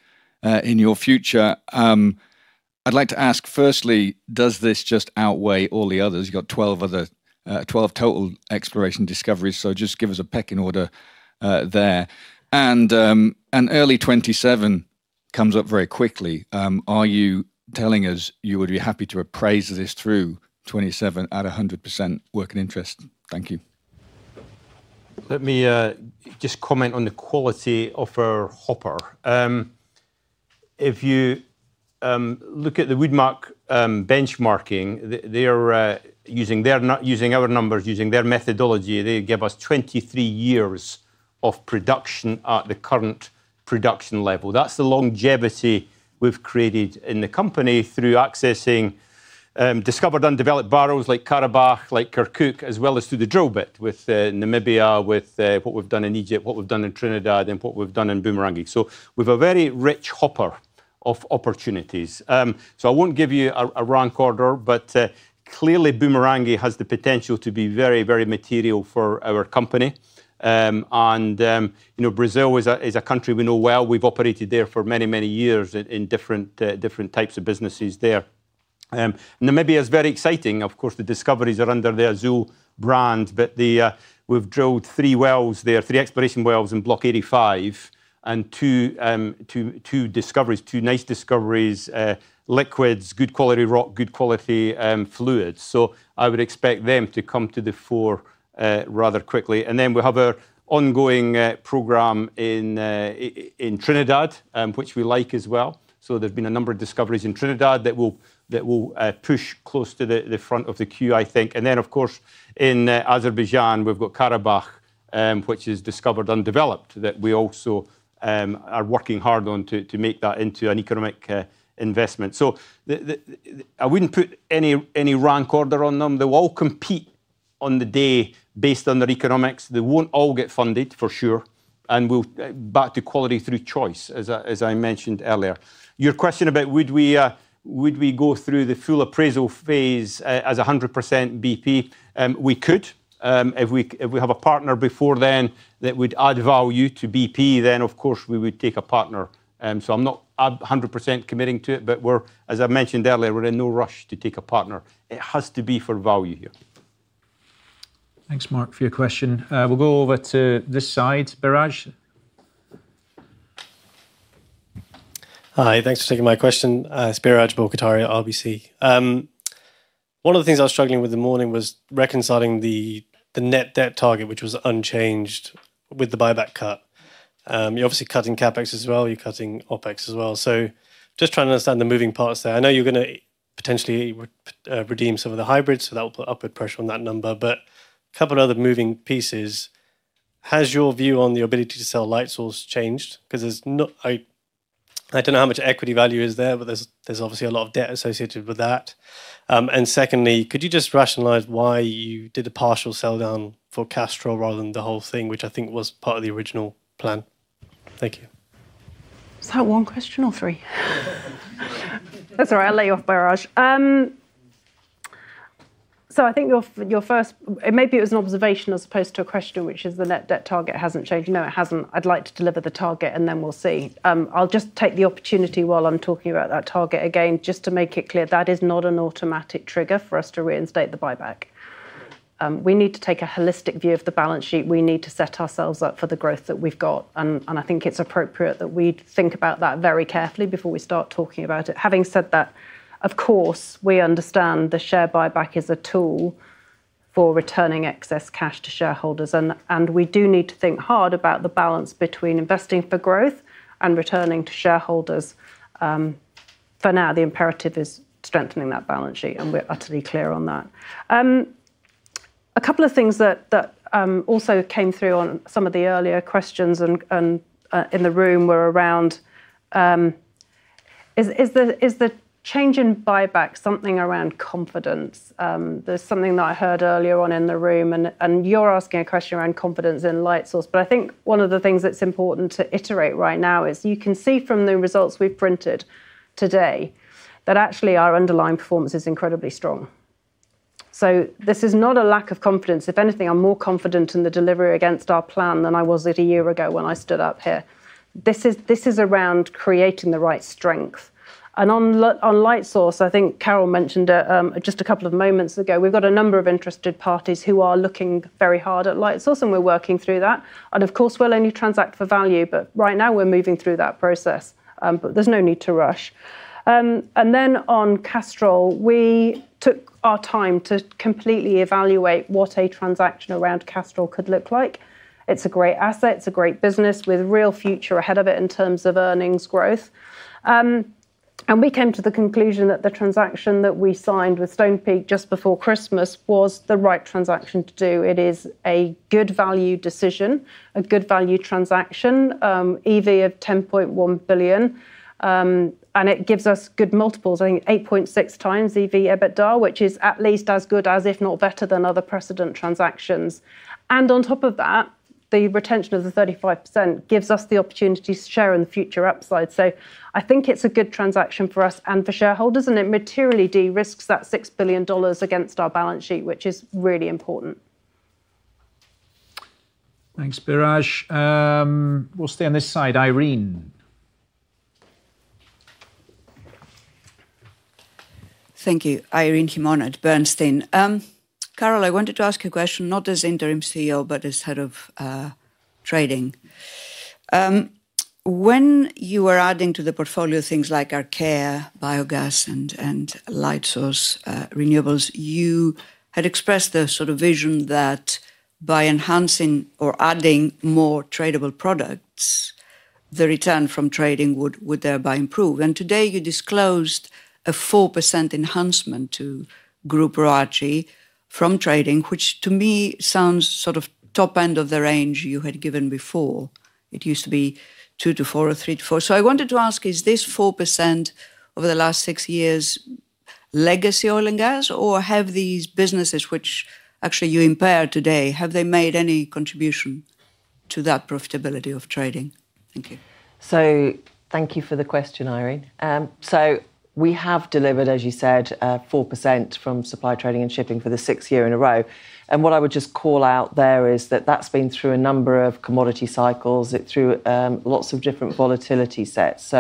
in your future. I'd like to ask, firstly, does this just outweigh all the others? You've got 12 total exploration discoveries. So just give us a pecking order there. And early 2027 comes up very quickly. Are you telling us you would be happy to appraise this through 2027 at 100% working interest? Thank you. Let me just comment on the quality of our hopper. If you look at the Wood Mackenzie benchmarking, they're not using our numbers, using their methodology. They give us 23 years of production at the current production level. That's the longevity we've created in the company through accessing discovered, undeveloped barrels like Karabakh, like Kirkuk, as well as through the drill bit with Namibia, with what we've done in Egypt, what we've done in Trinidad, and what we've done in Bumerangue. So we have a very rich hopper of opportunities. So I won't give you a rank order, but clearly, Bumerangue has the potential to be very, very material for our company. And Brazil is a country we know well. We've operated there for many, many years in different types of businesses there. Namibia is very exciting. Of course, the discoveries are under their own brand. But we've drilled 3 wells there, 3 exploration wells in Block 85, and 2 discoveries, 2 nice discoveries, liquids, good quality rock, good quality fluids. So I would expect them to come to the fore rather quickly. And then we have our ongoing program in Trinidad, which we like as well. So there's been a number of discoveries in Trinidad that will push close to the front of the queue, I think. And then, of course, in Azerbaijan, we've got Karabakh, which is discovered, undeveloped, that we also are working hard on to make that into an economic investment. So I wouldn't put any rank order on them. They will all compete on the day based on their economics. They won't all get funded, for sure. And back to quality through choice, as I mentioned earlier. Your question about would we go through the full appraisal phase as 100% BP, we could. If we have a partner before then that would add value to BP, then, of course, we would take a partner. So I'm not 100% committing to it. But as I mentioned earlier, we're in no rush to take a partner. It has to be for value here. Thanks, Mark, for your question. We'll go over to this side, Biraj. Hi. Thanks for taking my question. It's Biraj Borkhataria, RBC. One of the things I was struggling with this morning was reconciling the net debt target, which was unchanged with the buyback cut. You're obviously cutting CapEx as well. You're cutting OpEx as well. So just trying to understand the moving parts there. I know you're going to potentially redeem some of the hybrids. So that will put upward pressure on that number. But a couple of other moving pieces, has your view on the ability to sell Lightsource changed? Because I don't know how much equity value is there, but there's obviously a lot of debt associated with that. And secondly, could you just rationalize why you did a partial sell down for cash flow rather than the whole thing, which I think was part of the original plan? Thank you. Is that one question or three? That's all right. I'll lay you off, Biraj. So I think your first maybe it was an observation as opposed to a question, which is the net debt target hasn't changed. No, it hasn't. I'd like to deliver the target, and then we'll see. I'll just take the opportunity while I'm talking about that target again just to make it clear. That is not an automatic trigger for us to reinstate the buyback. We need to take a holistic view of the balance sheet. We need to set ourselves up for the growth that we've got. And I think it's appropriate that we think about that very carefully before we start talking about it. Having said that, of course, we understand the share buyback is a tool for returning excess cash to shareholders. And we do need to think hard about the balance between investing for growth and returning to shareholders. For now, the imperative is strengthening that balance sheet. And we're utterly clear on that. A couple of things that also came through on some of the earlier questions in the room were around is the change in buyback something around confidence? There's something that I heard earlier on in the room. And you're asking a question around confidence in Light Source. But I think one of the things that's important to iterate right now is you can see from the results we've printed today that actually our underlying performance is incredibly strong. So this is not a lack of confidence. If anything, I'm more confident in the delivery against our plan than I was a year ago when I stood up here. This is around creating the right strength. On Lightsource bp, I think Carol mentioned it just a couple of moments ago. We've got a number of interested parties who are looking very hard at Lightsource bp. And we're working through that. And of course, we'll only transact for value. But right now, we're moving through that process. But there's no need to rush. And then on Castrol, we took our time to completely evaluate what a transaction around Castrol could look like. It's a great asset. It's a great business with real future ahead of it in terms of earnings growth. And we came to the conclusion that the transaction that we signed with Stonepeak just before Christmas was the right transaction to do. It is a good value decision, a good value transaction, EV of $10.1 billion. It gives us good multiples, I think 8.6x EV EBITDA, which is at least as good as, if not better, than other precedent transactions. On top of that, the retention of the 35% gives us the opportunity to share in the future upside. So I think it's a good transaction for us and for shareholders. It materially de-risks that $6 billion against our balance sheet, which is really important. Thanks, Biraj. We'll stay on this side. Irene. Thank you. Irene Himona, Bernstein. Carol, I wanted to ask you a question, not as interim CEO, but as head of trading. When you were adding to the portfolio things like Archaea, biogas, and Lightsource bp, you had expressed the sort of vision that by enhancing or adding more tradable products, the return from trading would thereby improve. And today, you disclosed a 4% enhancement to Group ROACE from trading, which to me sounds sort of top end of the range you had given before. It used to be 2%-4% or 3%-4%. So I wanted to ask, is this 4% over the last six years legacy oil and gas? Or have these businesses, which actually you impaired today, have they made any contribution to that profitability of trading? Thank you. Thank you for the question, Irene. We have delivered, as you said, 4% from supply trading and shipping for the sixth year in a row. What I would just call out there is that that's been through a number of commodity cycles, through lots of different volatility sets.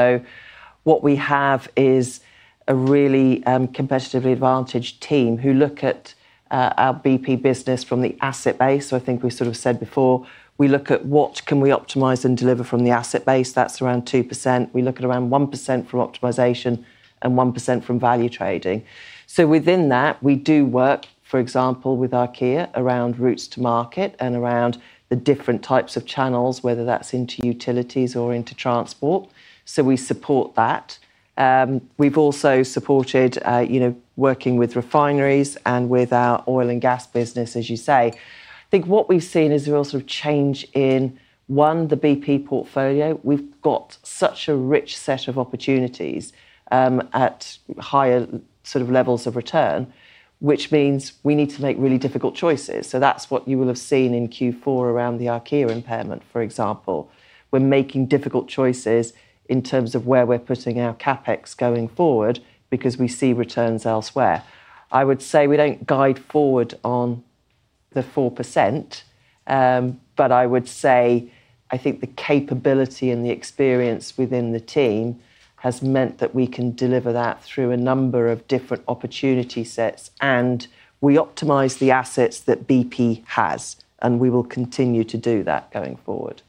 What we have is a really competitively advantaged team who look at our BP business from the asset base. I think we sort of said before, we look at what can we optimize and deliver from the asset base. That's around 2%. We look at around 1% from optimization and 1% from value trading. Within that, we do work, for example, with Archaea around routes to market and around the different types of channels, whether that's into utilities or into transport. We support that. We've also supported working with refineries and with our oil and gas business, as you say. I think what we've seen is a real sort of change in, one, the BP portfolio. We've got such a rich set of opportunities at higher sort of levels of return, which means we need to make really difficult choices. So that's what you will have seen in Q4 around the Archaea impairment, for example. We're making difficult choices in terms of where we're putting our CapEx going forward because we see returns elsewhere. I would say we don't guide forward on the 4%. But I would say I think the capability and the experience within the team has meant that we can deliver that through a number of different opportunity sets. And we optimize the assets that BP has. And we will continue to do that going forward.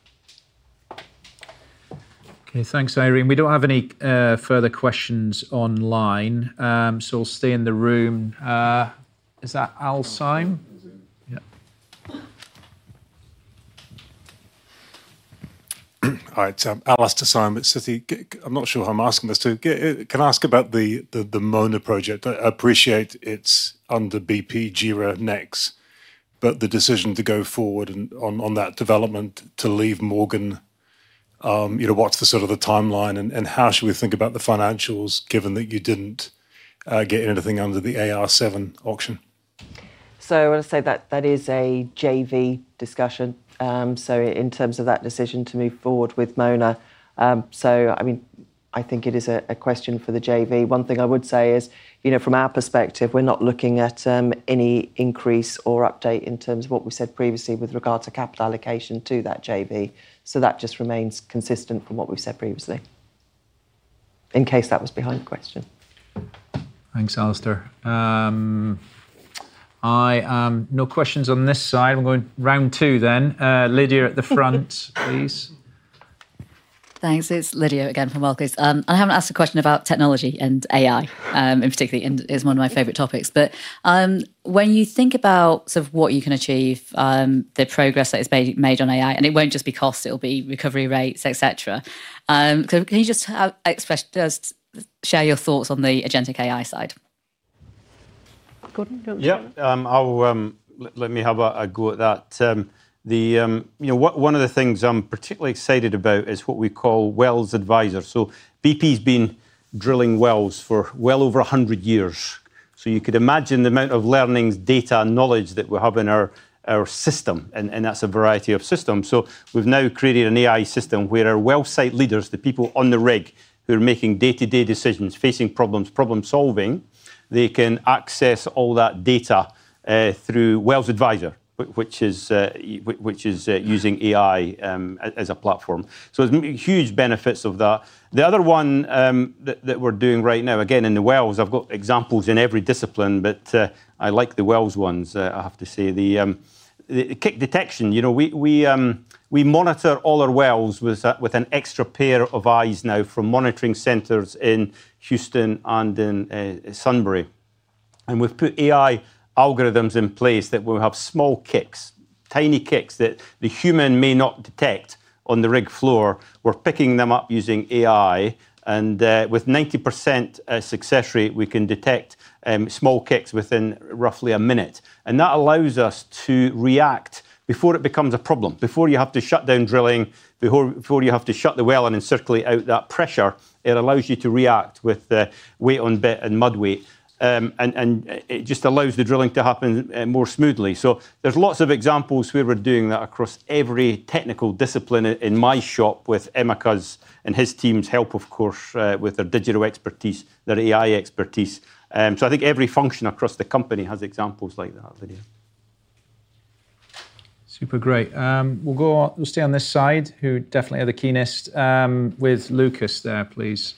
Okay. Thanks, Irene. We don't have any further questions online. So we'll stay in the room. Is that Alastair Syme? All right. Alastair Syme at Citi. I'm not sure who I'm asking this to. Can I ask about the Mona project? I appreciate it's under bp-EnBW. But the decision to go forward on that development to leave Morgan, what's the sort of the timeline? And how should we think about the financials given that you didn't get anything under the AR7 auction? So I want to say that that is a JV discussion. So in terms of that decision to move forward with Mona. So I mean, I think it is a question for the JV. One thing I would say is from our perspective, we're not looking at any increase or update in terms of what we said previously with regard to capital allocation to that JV. So that just remains consistent from what we've said previously, in case that was behind the question. Thanks, Alastair. No questions on this side. We're going round two then. Lydia at the front, please. Thanks. It's Lydia again from Barclays. I haven't asked a question about technology and AI, in particular. It's one of my favorite topics. But when you think about sort of what you can achieve, the progress that is made on AI, and it won't just be cost. It'll be recovery rates, etc. Can you just share your thoughts on the agentic AI side? Gordon, do you want to start? Yeah. Let me have a go at that. One of the things I'm particularly excited about is what we call Wells Advisor. So BP's been drilling wells for well over 100 years. So you could imagine the amount of learnings, data, and knowledge that we have in our system. And that's a variety of systems. So we've now created an AI system where our well site leaders, the people on the rig who are making day-to-day decisions, facing problems, problem-solving, they can access all that data through Wells Advisor, which is using AI as a platform. So there's huge benefits of that. The other one that we're doing right now, again, in the wells, I've got examples in every discipline. But I like the wells ones, I have to say. The kick detection, we monitor all our wells with an extra pair of eyes now from monitoring centers in Houston and in Sunbury. We've put AI algorithms in place that will have small kicks, tiny kicks that the human may not detect on the rig floor. We're picking them up using AI. With 90% success rate, we can detect small kicks within roughly a minute. That allows us to react before it becomes a problem, before you have to shut down drilling, before you have to shut the well and circulate out that pressure. It allows you to react with weight on bit and mud weight. It just allows the drilling to happen more smoothly. There's lots of examples where we're doing that across every technical discipline in my shop with Emeka Emembolu and his team's help, of course, with their digital expertise, their AI expertise. I think every function across the company has examples like that, Lydia. Super great. We'll stay on this side, who definitely are the keenest, with Lucas there, please.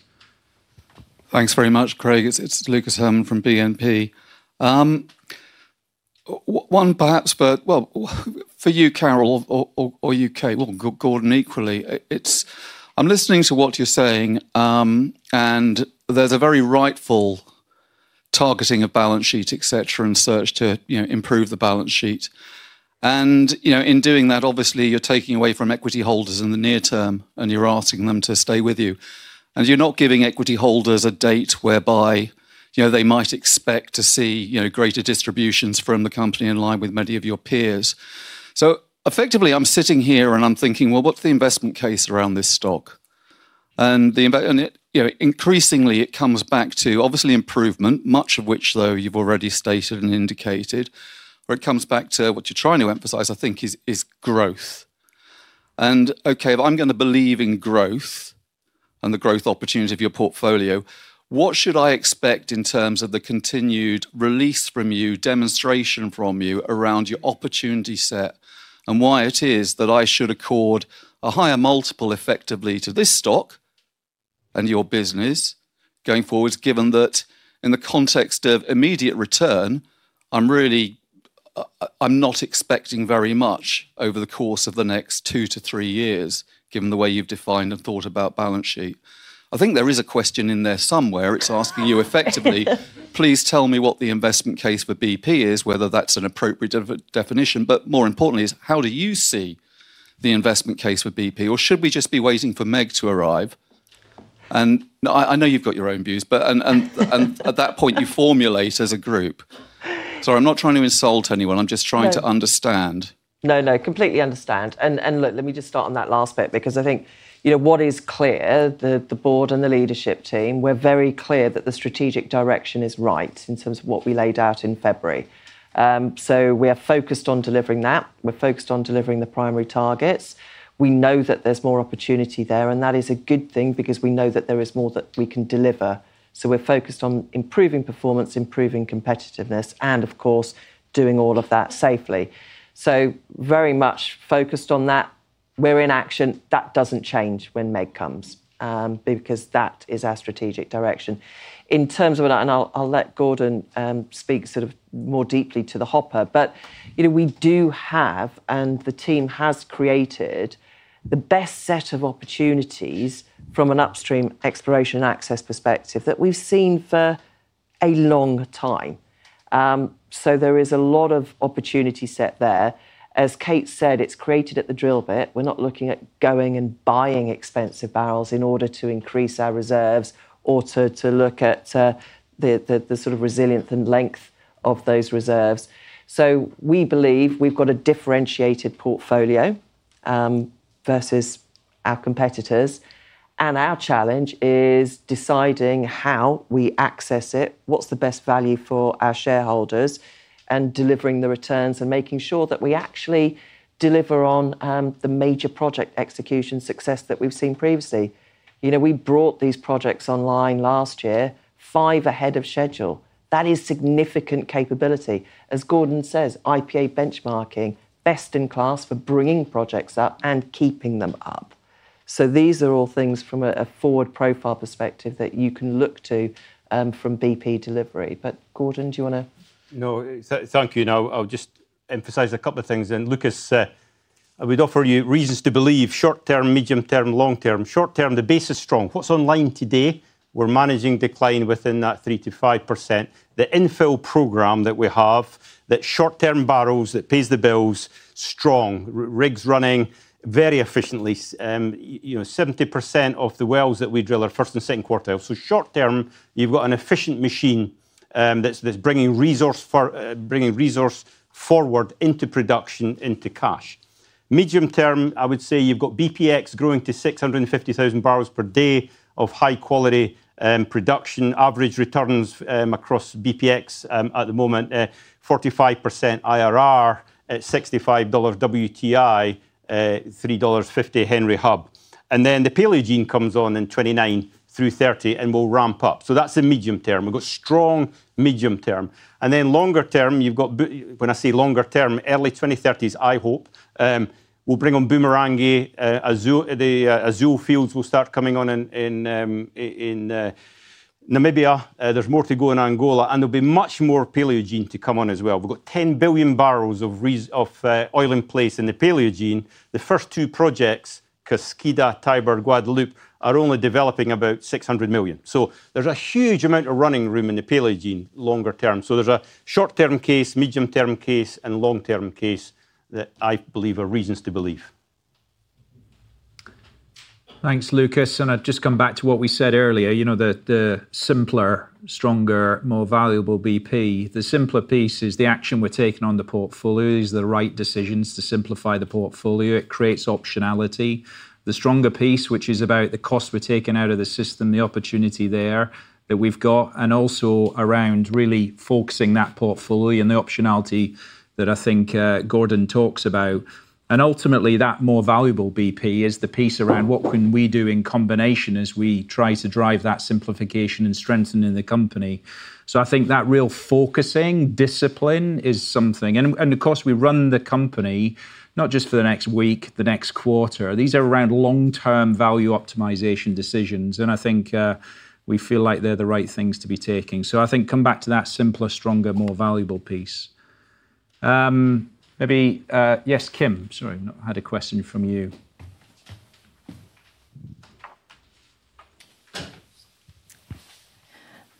Thanks very much, Craig. It's Lucas Herrmann from BNP. One perhaps, but well, for you, Carol, or you, Kate, well, Gordon equally, I'm listening to what you're saying. There's a very rightful targeting of balance sheet, etc., and search to improve the balance sheet. In doing that, obviously, you're taking away from equity holders in the near term. You're asking them to stay with you. You're not giving equity holders a date whereby they might expect to see greater distributions from the company in line with many of your peers. Effectively, I'm sitting here. I'm thinking, well, what's the investment case around this stock? Increasingly, it comes back to obviously improvement, much of which, though, you've already stated and indicated. Or it comes back to what you're trying to emphasize, I think, is growth. Okay, if I'm going to believe in growth and the growth opportunity of your portfolio, what should I expect in terms of the continued release from you, demonstration from you around your opportunity set and why it is that I should accord a higher multiple, effectively, to this stock and your business going forwards, given that in the context of immediate return, I'm not expecting very much over the course of the next two to three years, given the way you've defined and thought about balance sheet? I think there is a question in there somewhere. It's asking you, effectively, please tell me what the investment case for BP is, whether that's an appropriate definition. But more importantly, how do you see the investment case for BP? Or should we just be waiting for Meg to arrive? And I know you've got your own views. But at that point, you formulate as a group. Sorry, I'm not trying to insult anyone. I'm just trying to understand. No, no. I completely understand. Look, let me just start on that last bit because I think what is clear, the board and the leadership team, we're very clear that the strategic direction is right in terms of what we laid out in February. We are focused on delivering that. We're focused on delivering the primary targets. We know that there's more opportunity there. And that is a good thing because we know that there is more that we can deliver. We're focused on improving performance, improving competitiveness, and of course, doing all of that safely. Very much focused on that. We're in action. That doesn't change when Meg comes because that is our strategic direction. I'll let Gordon speak sort of more deeply to the hopper. But we do have, and the team has created, the best set of opportunities from an upstream exploration and access perspective that we've seen for a long time. So there is a lot of opportunity set there. As Kate said, it's created at the drill bit. We're not looking at going and buying expensive barrels in order to increase our reserves or to look at the sort of resilience and length of those reserves. So we believe we've got a differentiated portfolio versus our competitors. And our challenge is deciding how we access it, what's the best value for our shareholders, and delivering the returns and making sure that we actually deliver on the major project execution success that we've seen previously. We brought these projects online last year, five ahead of schedule. That is significant capability. As Gordon says, IPA benchmarking, best in class for bringing projects up and keeping them up. These are all things from a forward profile perspective that you can look to from BP delivery. Gordon, do you want to? No. Thank you. And I'll just emphasize a couple of things. And Lucas, we'd offer you reasons to believe short term, medium term, long term. Short term, the base is strong. What's online today, we're managing decline within that 3%-5%. The infill program that we have, that short term barrels that pays the bills, strong, rigs running very efficiently. 70% of the wells that we drill are first and second quartile. So short term, you've got an efficient machine that's bringing resource forward into production, into cash. Medium term, I would say you've got BPX growing to 650,000 barrels per day of high-quality production, average returns across BPX at the moment, 45% IRR, $65 WTI, $3.50 Henry Hub. And then the Paleogene comes on in 2029 through 2030 and will ramp up. So that's a medium term. We've got strong medium term. And then longer term, you've got—when I say longer term, early 2030s, I hope—we'll bring on Bumerangue. Azule fields will start coming on in Namibia. There's more to go in Angola. And there'll be much more Paleogene to come on as well. We've got 10 billion barrels of oil in place in the Paleogene. The first two projects, Kaskida, Tiber, Guadalupe, are only developing about 600 million. So there's a huge amount of running room in the Paleogene longer term. So there's a short term case, medium term case, and long term case that I believe are reasons to believe. Thanks, Lucas. I'd just come back to what we said earlier, the simpler, stronger, more valuable BP. The simpler piece is the action we're taking on the portfolio. These are the right decisions to simplify the portfolio. It creates optionality. The stronger piece, which is about the cost we're taking out of the system, the opportunity there that we've got, and also around really focusing that portfolio and the optionality that I think Gordon talks about. Ultimately, that more valuable BP is the piece around what can we do in combination as we try to drive that simplification and strengthening the company. I think that real focusing, discipline is something. Of course, we run the company not just for the next week, the next quarter. These are around long-term value optimization decisions. I think we feel like they're the right things to be taking. So, I think come back to that simpler, stronger, more valuable piece. Maybe yes, Kim. Sorry, I had a question from you.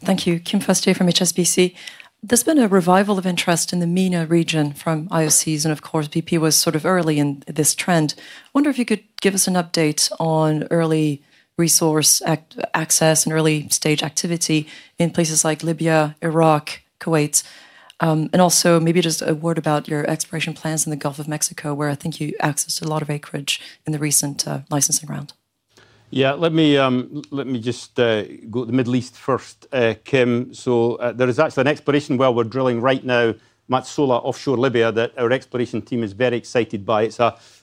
Thank you. Kim Fustier from HSBC. There's been a revival of interest in the MENA region from IOCs. Of course, BP was sort of early in this trend. I wonder if you could give us an update on early resource access and early stage activity in places like Libya, Iraq, Kuwait. Also maybe just a word about your exploration plans in the Gulf of Mexico, where I think you accessed a lot of acreage in the recent licensing round. Yeah. Let me just go to the Middle East first, Kim. So there is actually an exploration well we're drilling right now, Matsola, offshore Libya, that our exploration team is very excited by.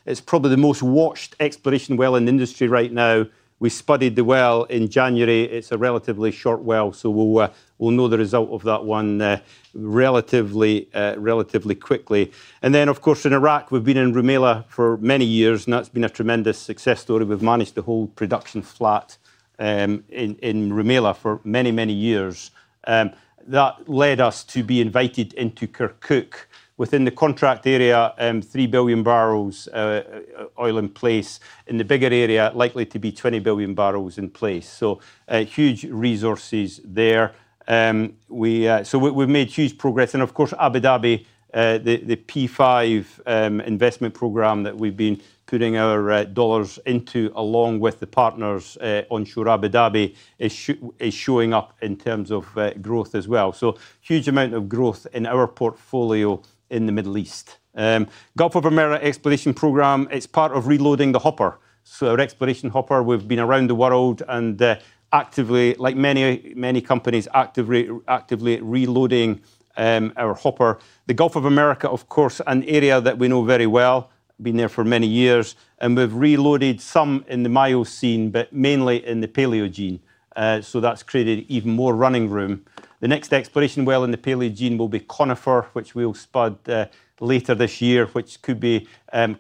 It's probably the most watched exploration well in the industry right now. We studied the well in January. It's a relatively short well. So we'll know the result of that one relatively quickly. And then of course, in Iraq, we've been in Rumaila for many years. And that's been a tremendous success story. We've managed to hold production flat in Rumaila for many, many years. That led us to be invited into Kirkuk. Within the contract area, 3 billion barrels oil in place. In the bigger area, likely to be 20 billion barrels in place. So huge resources there. So we've made huge progress. Of course, Abu Dhabi, the P5 investment program that we've been putting our dollars into, along with the partners onshore Abu Dhabi, is showing up in terms of growth as well. So huge amount of growth in our portfolio in the Middle East. Gulf of Mexico exploration program, it's part of reloading the hopper. So our exploration hopper, we've been around the world and actively, like many, many companies, actively reloading our hopper. The Gulf of Mexico, of course, an area that we know very well, been there for many years. And we've reloaded some in the Miocene, but mainly in the Paleogene. So that's created even more running room. The next exploration well in the Paleogene will be Conifer, which we'll spud later this year, which could be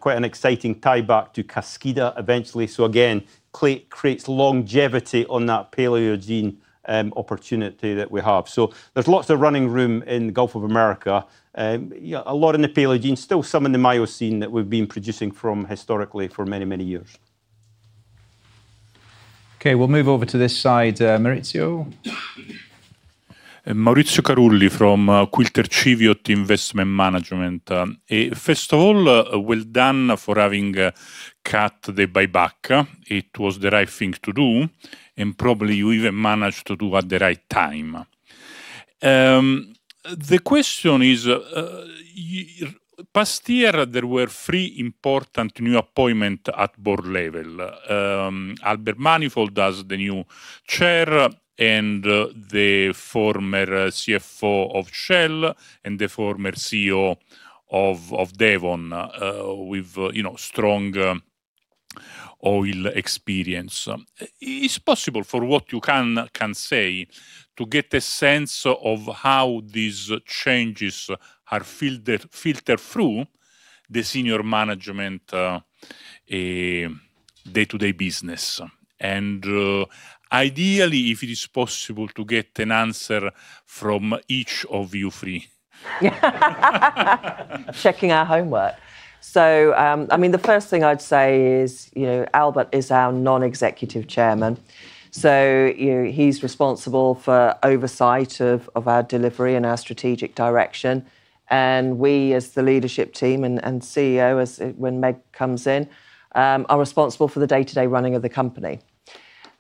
quite an exciting tie back to Kaskida eventually. So again, crate creates longevity on that Paleogene opportunity that we have. So there's lots of running room in the Gulf of Mexico, a lot in the Paleogene, still some in the Miocene that we've been producing from historically for many, many years. Okay. We'll move over to this side, Maurizio. Maurizio Carulli from Quilter Cheviot Investment Management. And first of all, well done for having cut the buyback. It was the right thing to do. And probably you even managed to do at the right time. The question is, past year, there were three important new appointments at board level. Albert Manifold as the new chair and the former CFO of Shell and the former CEO of Devon with strong oil experience. It's possible for what you can say to get a sense of how these changes are filtered through the senior management day-to-day business. And ideally, if it is possible to get an answer from each of you three. Checking our homework. So I mean, the first thing I'd say is Albert is our non-executive chairman. So he's responsible for oversight of our delivery and our strategic direction. And we, as the leadership team and CEO, when Meg comes in, are responsible for the day-to-day running of the company.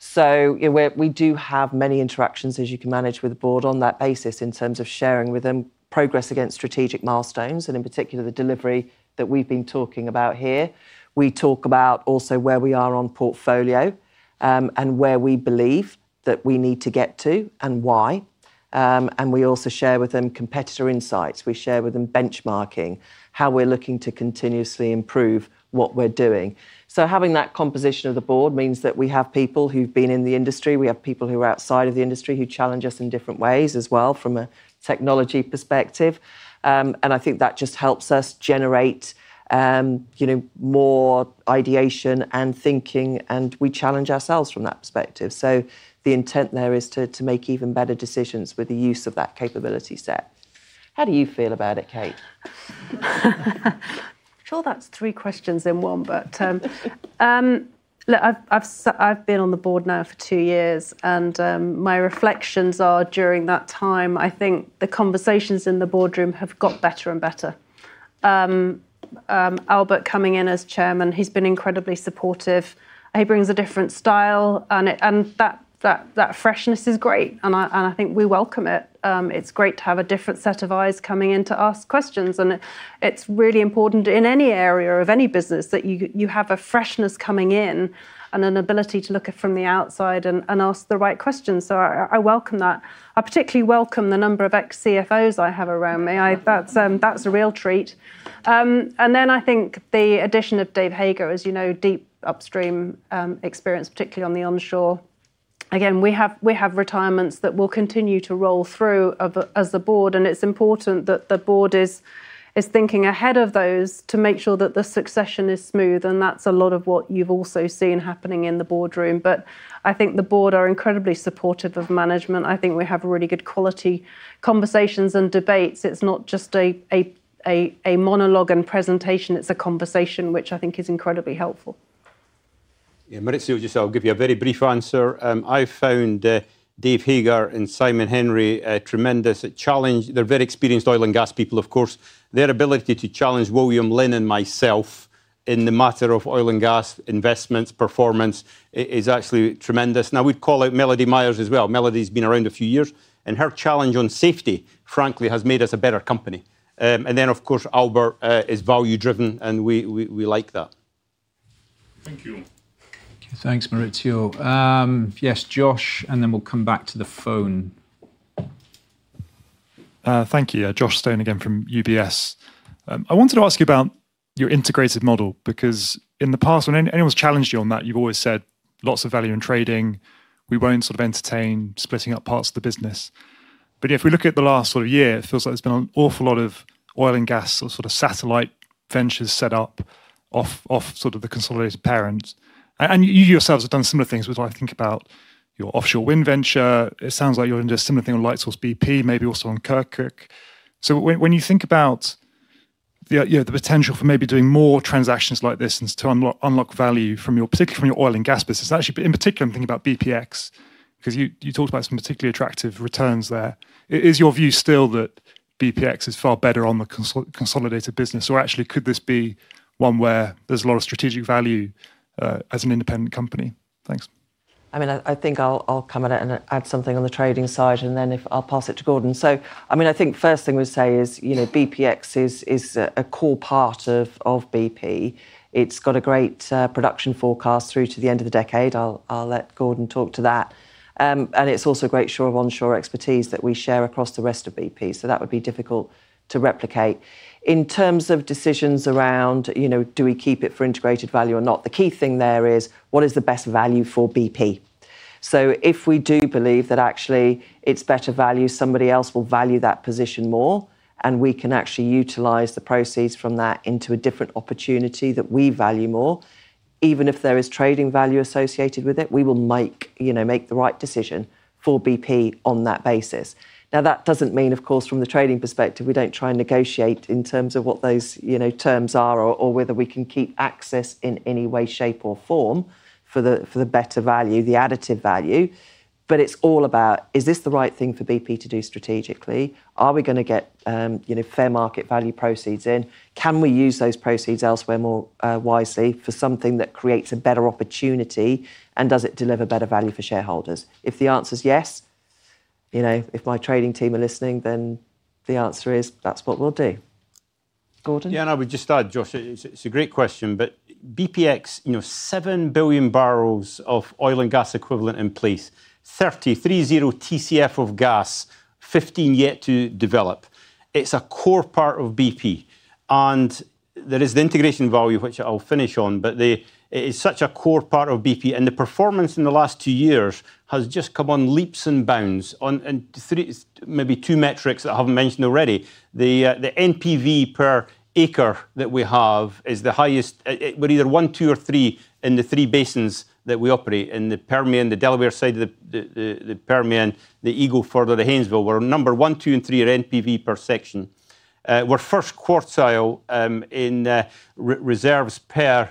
So we do have many interactions, as you can imagine, with the board on that basis in terms of sharing with them progress against strategic milestones. And in particular, the delivery that we've been talking about here. We talk about also where we are on portfolio and where we believe that we need to get to and why. And we also share with them competitor insights. We share with them benchmarking, how we're looking to continuously improve what we're doing. So having that composition of the board means that we have people who've been in the industry. We have people who are outside of the industry who challenge us in different ways as well from a technology perspective. I think that just helps us generate more ideation and thinking. We challenge ourselves from that perspective. The intent there is to make even better decisions with the use of that capability set. How do you feel about it, Kate? Sure. That's three questions in one. But look, I've been on the board now for two years. And my reflections are during that time, I think the conversations in the boardroom have got better and better. Albert coming in as chairman, he's been incredibly supportive. He brings a different style. And that freshness is great. And I think we welcome it. It's great to have a different set of eyes coming in to ask questions. And it's really important in any area of any business that you have a freshness coming in and an ability to look at from the outside and ask the right questions. So I welcome that. I particularly welcome the number of ex-CFOs I have around me. That's a real treat. And then I think the addition of Dave Hager, as you know, deep upstream experience, particularly on the onshore. Again, we have retirements that will continue to roll through as a board. It's important that the board is thinking ahead of those to make sure that the succession is smooth. That's a lot of what you've also seen happening in the boardroom. But I think the board are incredibly supportive of management. I think we have really good quality conversations and debates. It's not just a monologue and presentation. It's a conversation, which I think is incredibly helpful. Yeah. Maurizio, just I'll give you a very brief answer. I found Dave Hager and Simon Henry a tremendous challenge. They're very experienced oil and gas people, of course. Their ability to challenge William Lin and myself in the matter of oil and gas investments performance is actually tremendous. Now, we'd call out Melody Meyer as well. Melody's been around a few years. Her challenge on safety, frankly, has made us a better company. Then of course, Albert is value-driven. We like that. Thank you. Okay. Thanks, Maurizio. Yes, Josh. Then we'll come back to the phone. Thank you. Josh Stone again from UBS. I wanted to ask you about your integrated model. Because in the past, when anyone's challenged you on that, you've always said lots of value in trading. We won't sort of entertain splitting up parts of the business. But if we look at the last sort of year, it feels like there's been an awful lot of oil and gas sort of satellite ventures set up off sort of the consolidated parent. And you yourselves have done similar things. We think about your offshore wind venture. It sounds like you're in a similar thing on Lightsource bp, maybe also on Kirkuk. So when you think about the potential for maybe doing more transactions like this and to unlock value particularly from your oil and gas business, actually in particular, I'm thinking about BPX because you talked about some particularly attractive returns there. Is your view still that BPX is far better on the consolidated business? Or actually, could this be one where there's a lot of strategic value as an independent company? Thanks. I mean, I think I'll come at it and add something on the trading side. And then I'll pass it to Gordon. So I mean, I think first thing we'd say is BPX is a core part of BP. It's got a great production forecast through to the end of the decade. I'll let Gordon talk to that. And it's also a great store of onshore expertise that we share across the rest of BP. So that would be difficult to replicate. In terms of decisions around do we keep it for integrated value or not, the key thing there is what is the best value for BP? So if we do believe that actually it's better value, somebody else will value that position more. And we can actually utilize the proceeds from that into a different opportunity that we value more. Even if there is trading value associated with it, we will make the right decision for BP on that basis. Now, that doesn't mean, of course, from the trading perspective, we don't try and negotiate in terms of what those terms are or whether we can keep access in any way, shape, or form for the better value, the additive value. But it's all about, is this the right thing for BP to do strategically? Are we going to get fair market value proceeds in? Can we use those proceeds elsewhere more wisely for something that creates a better opportunity? And does it deliver better value for shareholders? If the answer is yes, if my trading team are listening, then the answer is that's what we'll do. Gordon? Yeah. And I would just start, Josh. It's a great question. But BPX, 7 billion barrels of oil and gas equivalent in place, 30 TCF of gas, 15 yet to develop. It's a core part of BP. And there is the integration value, which I'll finish on. But it is such a core part of BP. And the performance in the last two years has just come on leaps and bounds. And maybe two metrics that I haven't mentioned already. The NPV per acre that we have is the highest with either one, two, or three in the three basins that we operate in the Permian, the Delaware Basin, the Permian, the Eagle Ford, the Haynesville, where number one, two, and three are NPV per section. We're first quartile in reserves per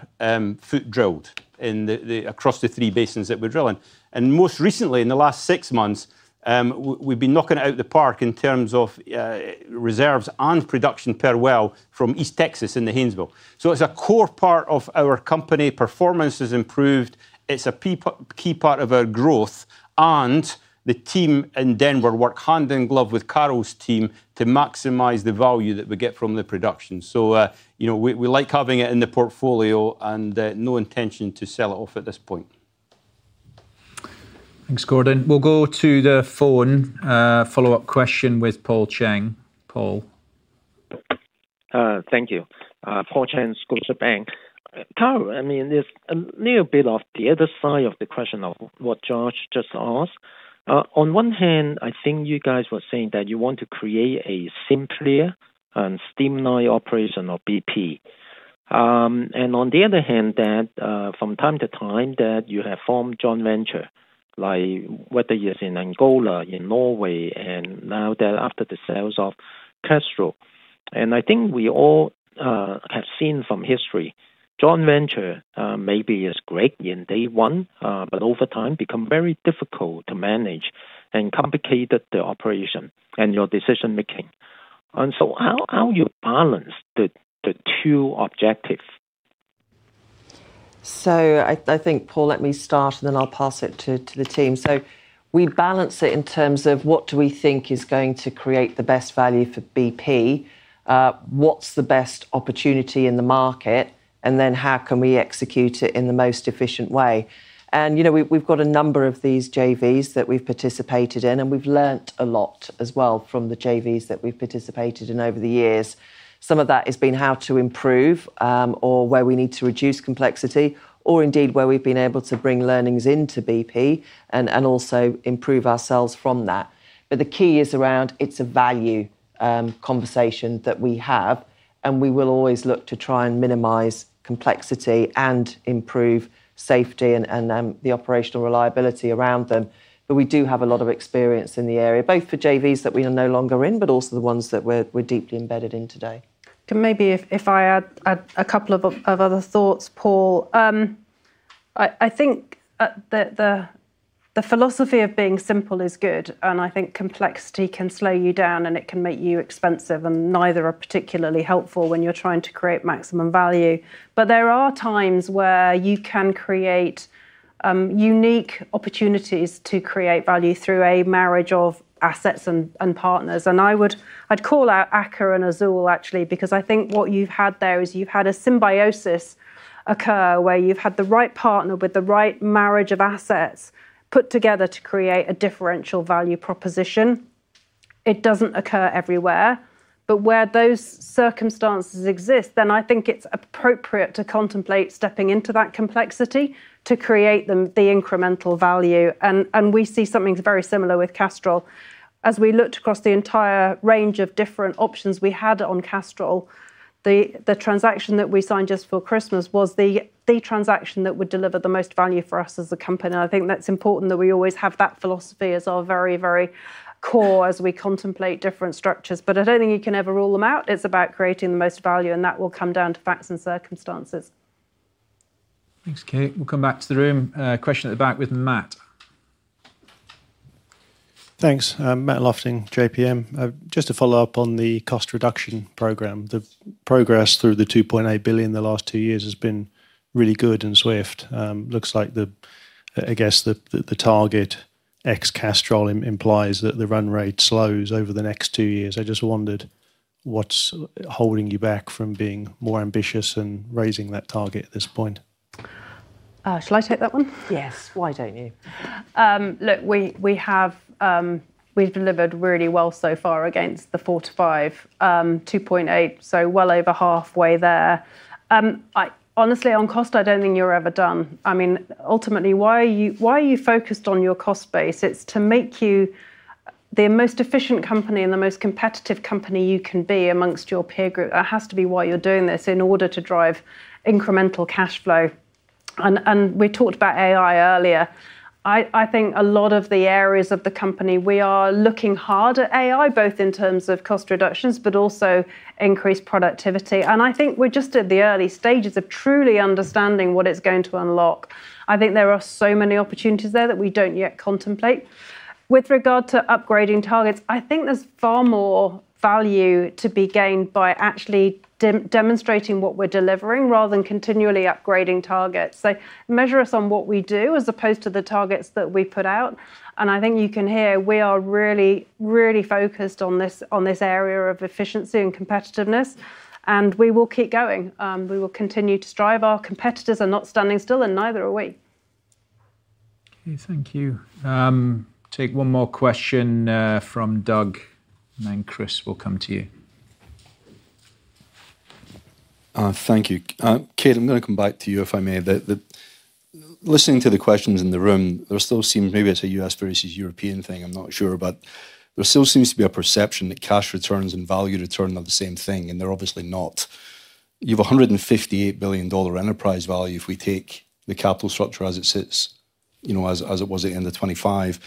foot drilled across the three basins that we're drilling. Most recently, in the last six months, we've been knocking out the park in terms of reserves and production per well from East Texas in the Haynesville. It's a core part of our company. Performance has improved. It's a key part of our growth. The team in Denver work hand in glove with Carol's team to maximize the value that we get from the production. We like having it in the portfolio and no intention to sell it off at this point. Thanks, Gordon. We'll go to the phone follow-up question with Paul Cheng. Paul. Thank you. Paul Cheng, Scotiabank. Carol, I mean, there's a little bit of the other side of the question of what Josh just asked. On one hand, I think you guys were saying that you want to create a simpler and streamlined operation of BP. And on the other hand, that from time to time, that you have formed joint venture, like whether it's in Angola, in Norway, and now that after the sale of Castrol's. And I think we all have seen from history, joint venture maybe is great in day one, but over time, become very difficult to manage and complicated the operation and your decision-making. And so how do you balance the two objectives? I think, Paul, let me start. Then I'll pass it to the team. We balance it in terms of what do we think is going to create the best value for BP? What's the best opportunity in the market? And then how can we execute it in the most efficient way? And we've got a number of these JVs that we've participated in. And we've learned a lot as well from the JVs that we've participated in over the years. Some of that has been how to improve or where we need to reduce complexity or indeed where we've been able to bring learnings into BP and also improve ourselves from that. But the key is around it's a value conversation that we have. And we will always look to try and minimize complexity and improve safety and the operational reliability around them. But we do have a lot of experience in the area, both for JVs that we are no longer in, but also the ones that we're deeply embedded in today. Can maybe if I add a couple of other thoughts, Paul. I think the philosophy of being simple is good. I think complexity can slow you down. It can make you expensive. Neither are particularly helpful when you're trying to create maximum value. But there are times where you can create unique opportunities to create value through a marriage of assets and partners. I'd call out Aker BP and Azule, actually, because I think what you've had there is you've had a symbiosis occur where you've had the right partner with the right marriage of assets put together to create a differential value proposition. It doesn't occur everywhere. But where those circumstances exist, then I think it's appropriate to contemplate stepping into that complexity to create the incremental value. We see something very similar with Kestrel. As we looked across the entire range of different options we had on Kestrel, the transaction that we signed just for Christmas was the transaction that would deliver the most value for us as a company. I think that's important that we always have that philosophy as our very, very core as we contemplate different structures. I don't think you can ever rule them out. It's about creating the most value. That will come down to facts and circumstances. Thanks, Kate. We'll come back to the room. Question at the back with Matt. Thanks. Matt Lofting, JPM. Just to follow up on the cost reduction program, the progress through the $2.8 billion the last two years has been really good and swift. Looks like the, I guess, the target ex-Kestrel implies that the run rate slows over the next two years. I just wondered what's holding you back from being more ambitious and raising that target at this point. Shall I take that one? Yes. Why don't you? Look, we've delivered really well so far against the 4-5, 2.8, so well over halfway there. Honestly, on cost, I don't think you're ever done. I mean, ultimately, why are you focused on your cost base? It's to make you the most efficient company and the most competitive company you can be amongst your peer group. That has to be why you're doing this in order to drive incremental cash flow. We talked about AI earlier. I think a lot of the areas of the company, we are looking hard at AI, both in terms of cost reductions, but also increased productivity. I think we're just at the early stages of truly understanding what it's going to unlock. I think there are so many opportunities there that we don't yet contemplate. With regard to upgrading targets, I think there's far more value to be gained by actually demonstrating what we're delivering rather than continually upgrading targets. So measure us on what we do as opposed to the targets that we put out. And I think you can hear we are really, really focused on this area of efficiency and competitiveness. And we will keep going. We will continue to strive. Our competitors are not standing still. And neither are we. Okay. Thank you. Take one more question from Doug. Then Chris will come to you. Thank you. Kate, I'm going to come back to you, if I may. Listening to the questions in the room, there still seems maybe it's a US versus European thing. I'm not sure. There still seems to be a perception that cash returns and value return are the same thing. And they're obviously not. You have $158 billion enterprise value if we take the capital structure as it sits as it was at the end of 2025.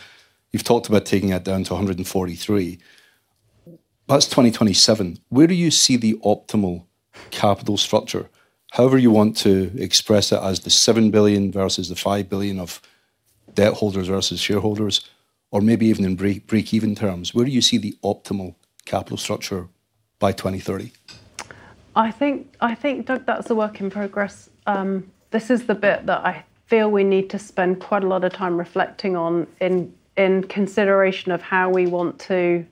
You've talked about taking that down to $143 billion. That's 2027. Where do you see the optimal capital structure? However you want to express it as the $7 billion versus the $5 billion of debt holders versus shareholders or maybe even in break-even terms, where do you see the optimal capital structure by 2030? I think, Doug, that's a work in progress. This is the bit that I feel we need to spend quite a lot of time reflecting on in consideration of how we want to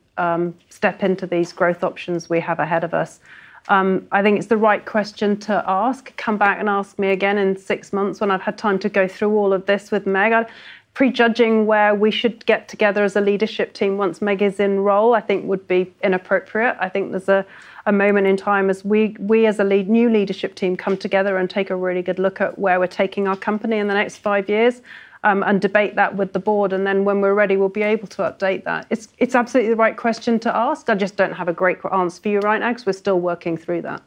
step into these growth options we have ahead of us. I think it's the right question to ask. Come back and ask me again in six months when I've had time to go through all of this with Meg. Prejudging where we should get together as a leadership team once Meg is in role, I think, would be inappropriate. I think there's a moment in time as we, as a new leadership team, come together and take a really good look at where we're taking our company in the next five years and debate that with the board. Then when we're ready, we'll be able to update that. It's absolutely the right question to ask. I just don't have a great answer for you right now because we're still working through that.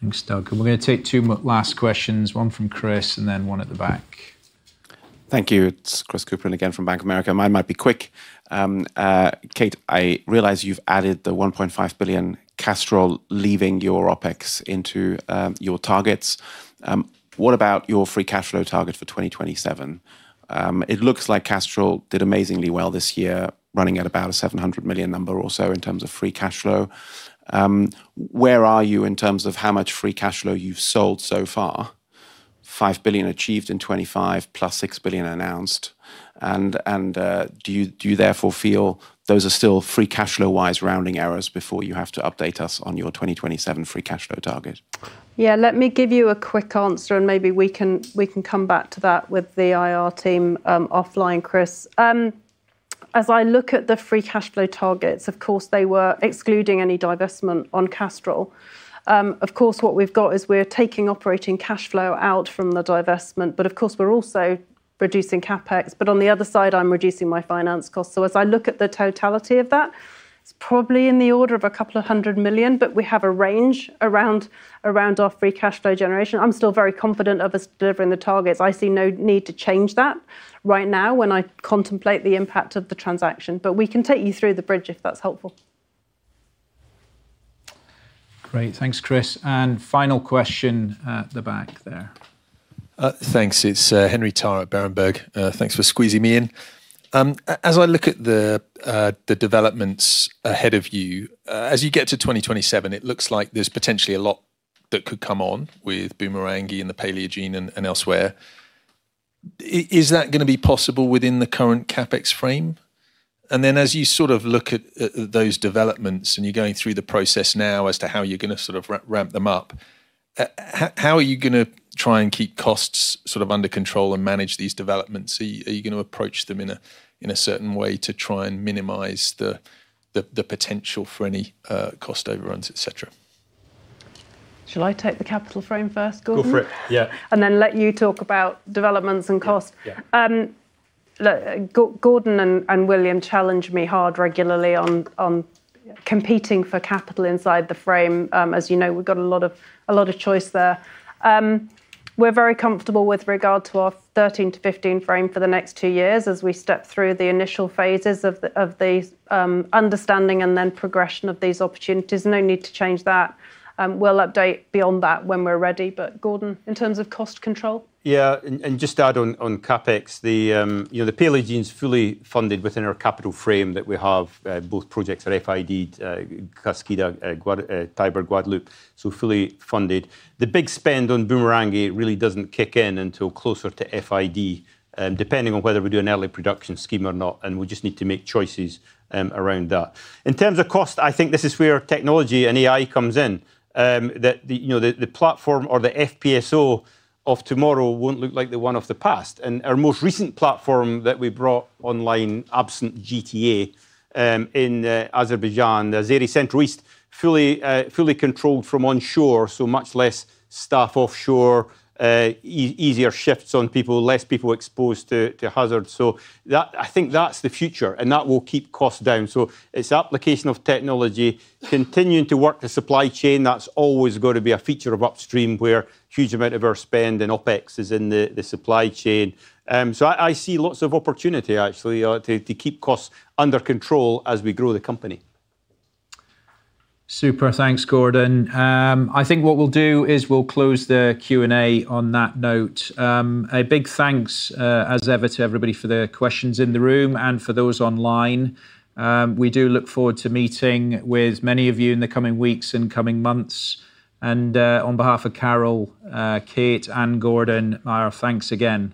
Thanks, Doug. We're going to take two last questions, one from Chris and then one at the back. Thank you. It's Chris Kuplent again from Bank of America. Mine might be quick. Kate, I realize you've added the $1.5 billion Kestrel leaving your OpEx into your targets. What about your free cash flow target for 2027? It looks like Kestrel did amazingly well this year, running at about a $700 million number or so in terms of free cash flow. Where are you in terms of how much free cash flow you've sold so far? $5 billion achieved in 2025 plus $6 billion announced. And do you therefore feel those are still free cash flow-wise rounding errors before you have to update us on your 2027 free cash flow target? Yeah. Let me give you a quick answer. Maybe we can come back to that with the IR team offline, Chris. As I look at the free cash flow targets, of course, they were excluding any divestment on Kestrel. Of course, what we've got is we're taking operating cash flow out from the divestment. But of course, we're also reducing CapEx. But on the other side, I'm reducing my finance costs. So as I look at the totality of that, it's probably in the order of $200 million. But we have a range around our free cash flow generation. I'm still very confident of us delivering the targets. I see no need to change that right now when I contemplate the impact of the transaction. But we can take you through the bridge if that's helpful. Great. Thanks, Chris. And final question at the back there. Thanks. It's Henry Tarr at Berenberg. Thanks for squeezing me in. As I look at the developments ahead of you, as you get to 2027, it looks like there's potentially a lot that could come on with Bumerangue and the Paleogene and elsewhere. Is that going to be possible within the current CapEx frame? And then as you sort of look at those developments and you're going through the process now as to how you're going to sort of ramp them up, how are you going to try and keep costs sort of under control and manage these developments? Are you going to approach them in a certain way to try and minimize the potential for any cost overruns, etc.? Shall I take the capital frame first, Gordon? Go for it. Yeah. Then let you talk about developments and cost? Gordon and William challenge me hard regularly on competing for capital inside the frame. As you know, we've got a lot of choice there. We're very comfortable with regard to our 13-15 frame for the next two years as we step through the initial phases of the understanding and then progression of these opportunities. No need to change that. We'll update beyond that when we're ready. But Gordon, in terms of cost control? Yeah. Just to add on CapEx, the Paleogene is fully funded within our capital frame that we have. Both projects are FID, Tiber, Guadalupe. So fully funded. The big spend on Bumerangue really doesn't kick in until closer to FID, depending on whether we do an early production scheme or not. And we'll just need to make choices around that. In terms of cost, I think this is where technology and AI comes in. The platform or the FPSO of tomorrow won't look like the one of the past. And our most recent platform that we brought online, as in GTA, in Azerbaijan, the Azeri Central East, fully controlled from onshore, so much less staff offshore, easier shifts on people, less people exposed to hazards. So I think that's the future. And that will keep costs down. So it's application of technology, continuing to work the supply chain. That's always going to be a feature of upstream where a huge amount of our spend and OPEX is in the supply chain. So I see lots of opportunity, actually, to keep costs under control as we grow the company. Super. Thanks, Gordon. I think what we'll do is we'll close the Q&A on that note. A big thanks, as ever, to everybody for their questions in the room and for those online. We do look forward to meeting with many of you in the coming weeks and coming months. On behalf of Carol, Kate, and Gordon, our thanks again.